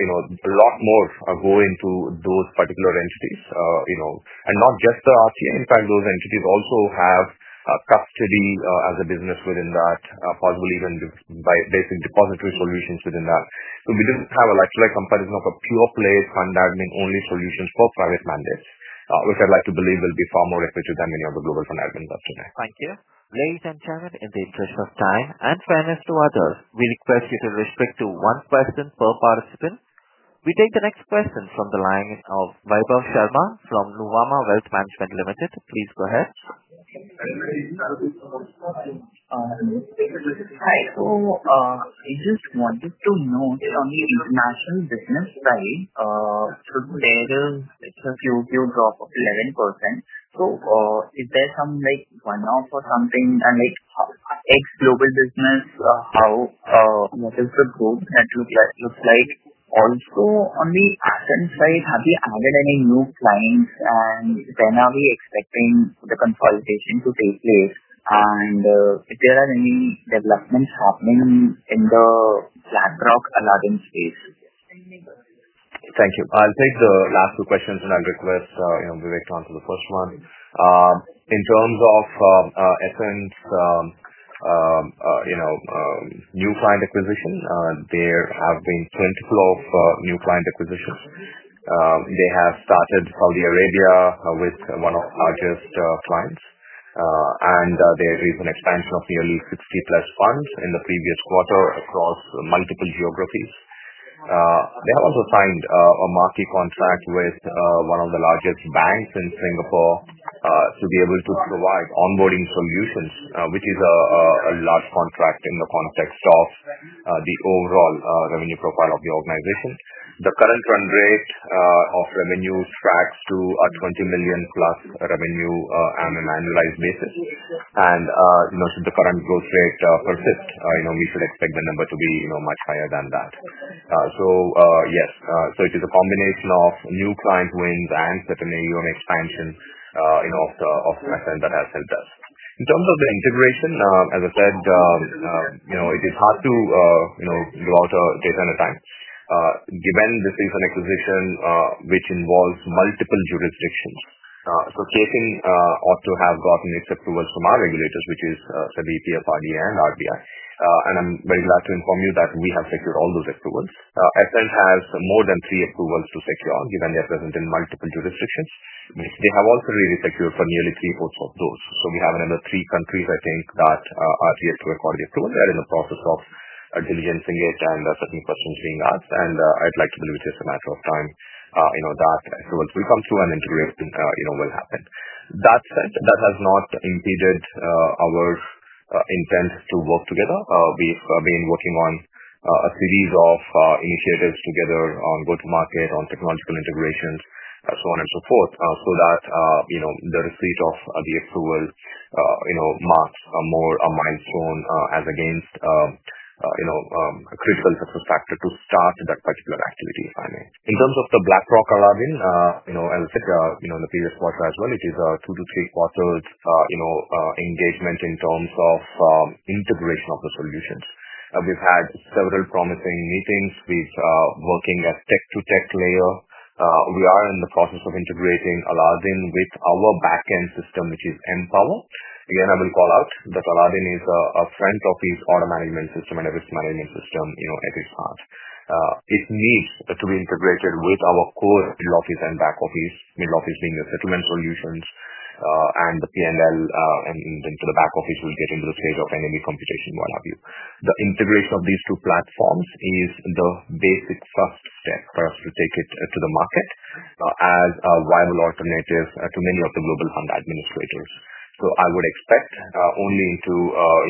you know, a lot more go into those particular entities, you know, and not just the RCA. In fact, those entities also have custody as a business within that possibly even by basic depository solutions within that. So we didn't have a like to like comparison of a pure play and admin only solutions for private mandates, which I'd like to believe will be far more efficient than many other global fund admins of today. Thank you. Ladies and gentlemen, in the interest of time and fairness to others, we request you to restrict to one question per participant. We take the next question from the line of Vibhav Sharma from Luvama Wealth Management Limited. Please go ahead. Hi. So I just wanted to know that on the international business side, should there is it's a few few drop of 11%. So is there some, like, one off or something? And, like, ex global business, what is the group that you guys looks like? Also, on the Athens side, have you added any new clients? And when are we expecting the consolidation to take place? And if there are any developments happening in the BlackRock Aladdin space? Thank you. I'll take the last two questions, and I'll request Vivek to answer the first one. In terms of Essence, you know, new client acquisition, there have been plentiful of new client acquisitions. They have started Saudi Arabia with one of the largest clients, and there is an expansion of nearly 60 plus funds in the previous quarter across multiple geographies. They have also signed a a marquee contract with one of the largest banks in Singapore to be able to provide onboarding solutions, which is a a large contract in the context of the overall revenue profile of the organization. The current run rate of revenue tracks to a 20,000,000 plus revenue on an annualized basis. And, you know, should the current growth rate persist, you know, we should expect the number to be, you know, much higher than that. So, yes, so it is a combination of new client wins and certainly on expansion, you know, of the of the that has helped us. In terms of the integration, as I said, you know, it is hard to, you know, go out a data and a time. Given this is an acquisition which involves multiple jurisdictions, So KCN ought to have gotten its approvals from our regulators, is the VP of RD and RBI. And I'm very glad to inform you that we have secured all those approvals. SS has more than three approvals to secure given their presence in multiple jurisdictions. They have also really secured for nearly three votes of those. So we have another three countries, I think, that are clear to a quality approval. They're in the process of a diligent thing yet and certain questions being asked. And I'd like to believe it's just a matter of time, you know, that. So once we come to an integration, you know, will happen. That said, that has not impeded our intent to work together. We've been working on a series of initiatives together on go to market, on technological integrations, so on and so forth. So that, you know, the receipt of the approval, you know, marks a more a milestone as against, you know, a critical success factor to start that particular activity, if I may. In terms of the BlackRock, Aladdin, you know, as I you know, the previous quarter as well, it is a two to three quarters, you know, engagement in terms of integration of the solutions. We've had several promising meetings with working at tech to tech layer. We are in the process of integrating Aladdin with our back end system, which is Empower. Again, I will call out that Aladdin is a a friend of his auto management system and a risk management system, you know, at his heart. It needs to be integrated with our core middle office and back office, middle office being a settlement solutions, and the p and l and and then to the back office will get into the stage of any computation, what have you. The integration of these two platforms is the basic first step for us to take it to the market as a viable alternative to many of the global fund administrators. So I would expect only to,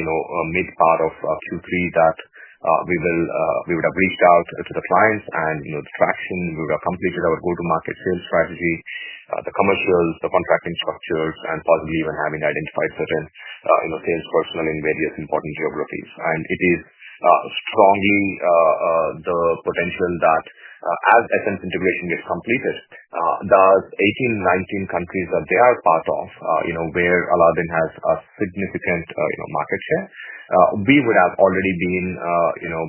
you know, mid '3 that we will we would have reached out to the clients and, you know, the traction. We would have completed our go to market sales strategy, the commercials, the contracting structures, and possibly even having identified certain, you know, sales personnel in various important geographies. And it is strongly the potential that as essence integration gets completed, the eighteen, nineteen countries that they are part of, you know, where Aladdin has a significant, you know, market share, We would have already been, you know,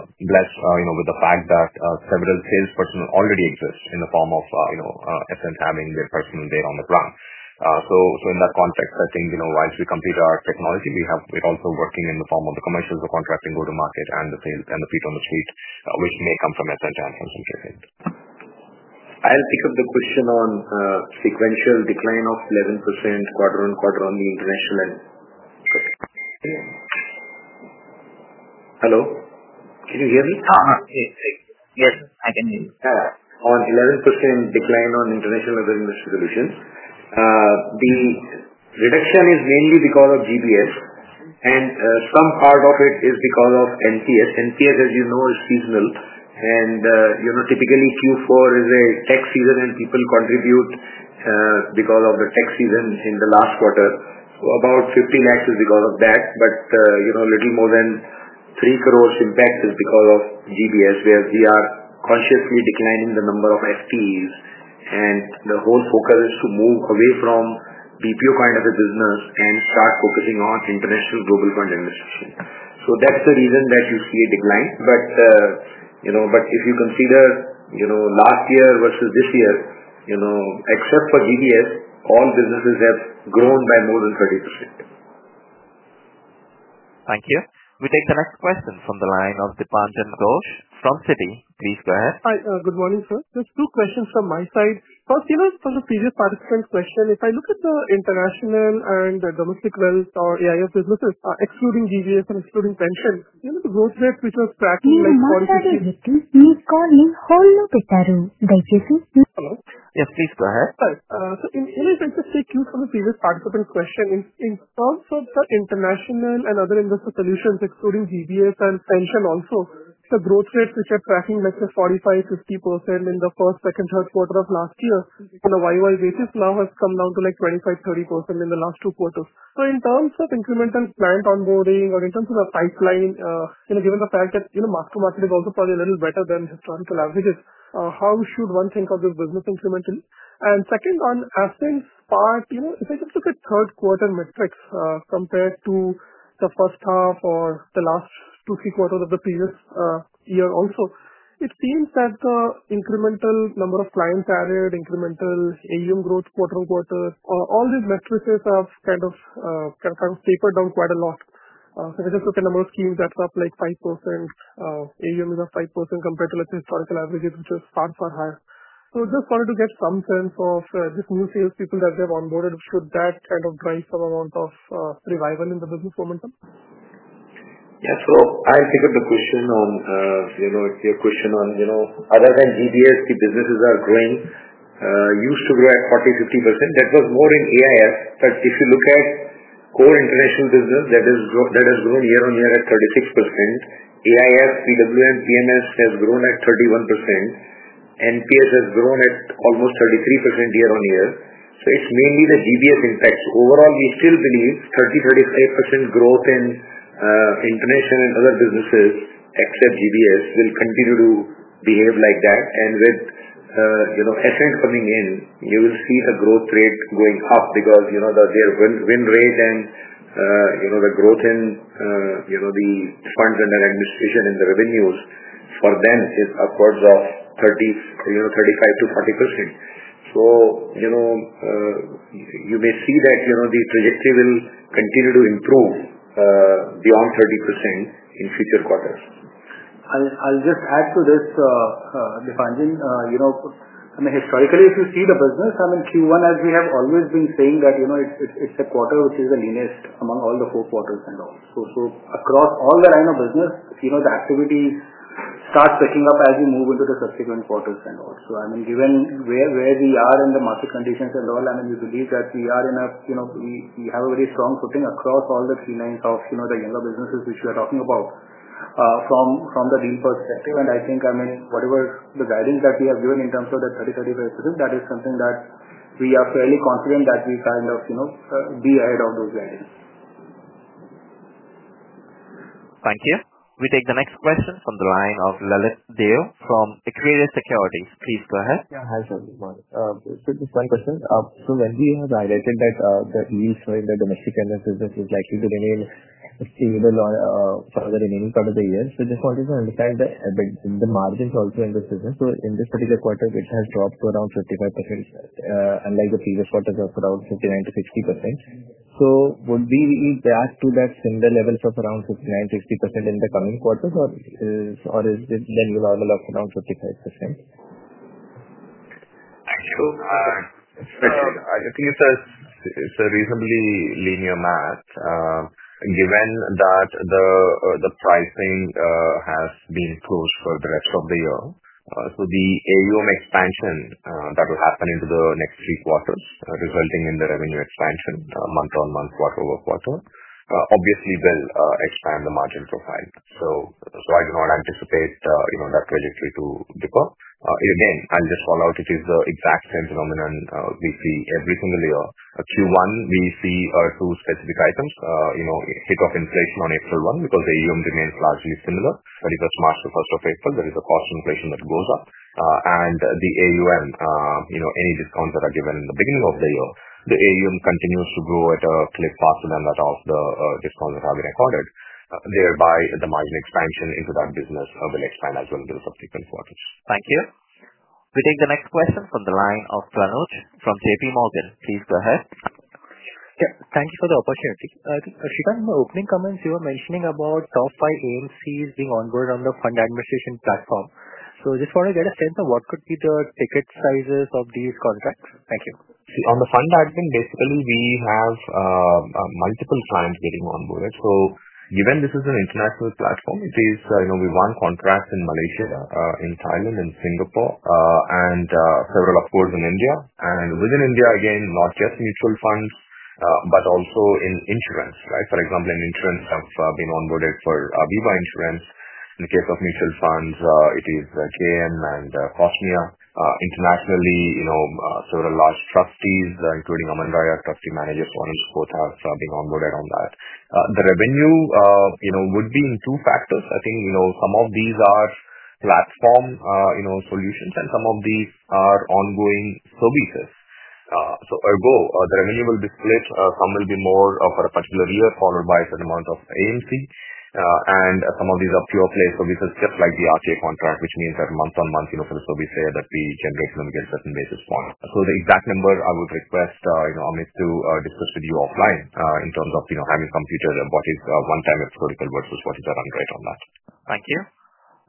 blessed, you know, with the fact that several sales personnel already exist in the form of, you know, essence having their personal day on the plan. So so in that context, I think, you know, once we complete our technology, we have also working in the form of the commercials of contracting go to market and the sales and the feet on the street, which may come from S and J and from some trade. I'll pick up the question on sequential decline of 11% quarter on quarter on the international end. Hello? Can you hear me? Yes, I can hear you. On 11% decline on international revenue and distribution, the reduction is mainly because of GBS and some part of it is because of NPS. NPS, as you know, is seasonal. And typically, Q4 is a tax season and people contribute because of the tax season in the last quarter. So about 15 lakhs is because of that, but a little more than 3 crores impact is because of GBS, where we are consciously declining the number of FTEs. And the whole focus is to move away from BPO kind of a business and start focusing on international global fund administration. So that's the reason that you see a decline. But if you consider last year versus this year, except for GDS, all businesses have grown by more than 30%. We take the next question from the line of Deepanjan Ghosh from Citi. Just two questions from my side. First, you know, from the previous participant question, if I look at the international and the domestic wealth or AIF businesses, excluding GBS and excluding pension, you know, the growth rate which was tracked by quality me calling. Hello? Yes. Please go ahead. Sir, in in addition to speaking from a previous participant question in in terms of the international and other investor solutions excluding DBS and pension also, the growth rates which are tracking, like, the 45, 50% in the first, second, third quarter of last year on a YY basis now has come down to, like, 25, 30% in the last two quarters. So in terms of incremental client onboarding or in terms of the pipeline, you know, given the fact that, you know, mark to market is also probably a little better than historical averages, how should one think of this business incrementally? And second, on Aspen's part, you know, if I just look at third quarter metrics compared to the first half or the last two, three quarters of the previous year also, it seems that the incremental number of clients added, incremental AUM growth quarter on quarter, all these matrices have kind of confirmed paper down quite a lot. So if you just look at the number of schemes that's up, like, 5%, AUM is up 5% compared to its historical averages, which is far, far higher. So just wanted to get some sense of just new salespeople that they have onboarded, should that kind of drive some amount of revival in the business momentum? Yes. So I'll take up the question on your question on other than DBS, the businesses are growing, used to grow at 40%, 50%. That was more in AIS. But if you look at core international business that has grown year on year at 36% AIF, PWM, PMS has grown at 31%. NPS has grown at almost 33% year on year. So it's mainly the GBS impact. Overall, we still believe 30%, 35% growth in international and other businesses, except GBS, will continue to behave like that. And with Essent coming in, you will see the growth rate going up because their win rate and the growth in the funds under administration and the revenues for them is upwards of 35% to 40%. So you may see that the trajectory will continue to improve beyond 30% in future quarters. I'll just add to this, Deepanjan. I mean historically, you see the business, I mean Q1, as we have always been saying that it's a quarter which is the leanest among all the four quarters and all. So across all the line of business, the activity starts picking up as we move into the subsequent quarters and all. So I mean given where we are in the market conditions and all, I mean we believe that we are in a we have a very strong footing across all the three lines of the younger businesses, which we are talking about from the deal perspective. And I think I mean whatever the guidance that we have given in terms of the thirty-thirty basis, that is something that we are fairly confident that we kind of be ahead of those guidance. Thank you. We take the next question from the line of Lalit Dev from Equator Securities. Please go ahead. Yes. Hi, sir. Good morning. So just one question. So when we have highlighted that lease in the domestic analyst business is likely to remain stable for the remaining part of the year. So just wanted to understand the margins also in this business. So in this particular quarter, it has dropped to around 55%, unlike the previous quarters of around 59% to 60%. So would we react to that similar levels of around 59%, 60% in the coming quarters? Or is this level of around 55%? Thank you. I think it's reasonably linear math given that the pricing has been closed for the rest of the year, so the AUM expansion that will happen into the next three quarters resulting in the revenue expansion month on month, quarter over quarter, obviously, they'll expand the margin profile. So so I do not anticipate, you know, that trajectory to differ. And again, I'll just follow-up. It is the exact same phenomenon we see every single year. At q one, we see our two specific items, you know, pick up inflation on April 1 because the AUM remains largely similar. But if it's April, there is a cost inflation that goes up. And the AUM, you know, any discounts that are given in the beginning of the year, the AUM continues to grow at a click faster than that of the discount that have been recorded. Thereby, the margin expansion into that business will expand as well in the subsequent quarters. Thank you. We take the next question from the line of Pranuj from JPMorgan. Please go ahead. Yeah. Thank you for the opportunity. Shita, in the opening comments, you were mentioning about top five AMCs being onboard on the fund administration platform. So I just wanna get a sense of what could be the ticket sizes of these contracts. Thank you. See, on the fund admin, basically, we have multiple clients getting onboard. Right? So even this is an international platform, it is you know, we won contracts in Malaysia, in Thailand, in Singapore, and several, of course, in India. And within India, again, not just mutual funds, but also in insurance. Right? For example, in insurance have been onboarded for Viva insurance. In the case of mutual funds, it is KN and Cosmia. Internationally, you know, several large trustees including Amandaya, trustee managers, one support have been onboarded on that. The revenue, you know, would be in two factors. I think, you know, some of these are platform, you know, solutions and some of these are ongoing services. So or go the revenue will be split. Some will be more for a particular year followed by certain amount of AMC. And some of these are pure play services just like the RTA contract, which means that month on month, you know, for the service that we generate them against certain So the exact number, I would request, you know, Amit, to discuss with you offline in terms of, you know, having computer and what is onetime historical versus what is the run rate on that. Thank you.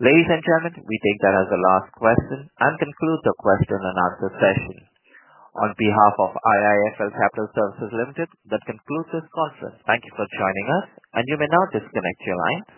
Ladies and gentlemen, we take that as the last question and conclude the question and answer session. On behalf of IIFL Capital Services Limited, that concludes this conference. Thank you for joining us, and you may now disconnect your lines.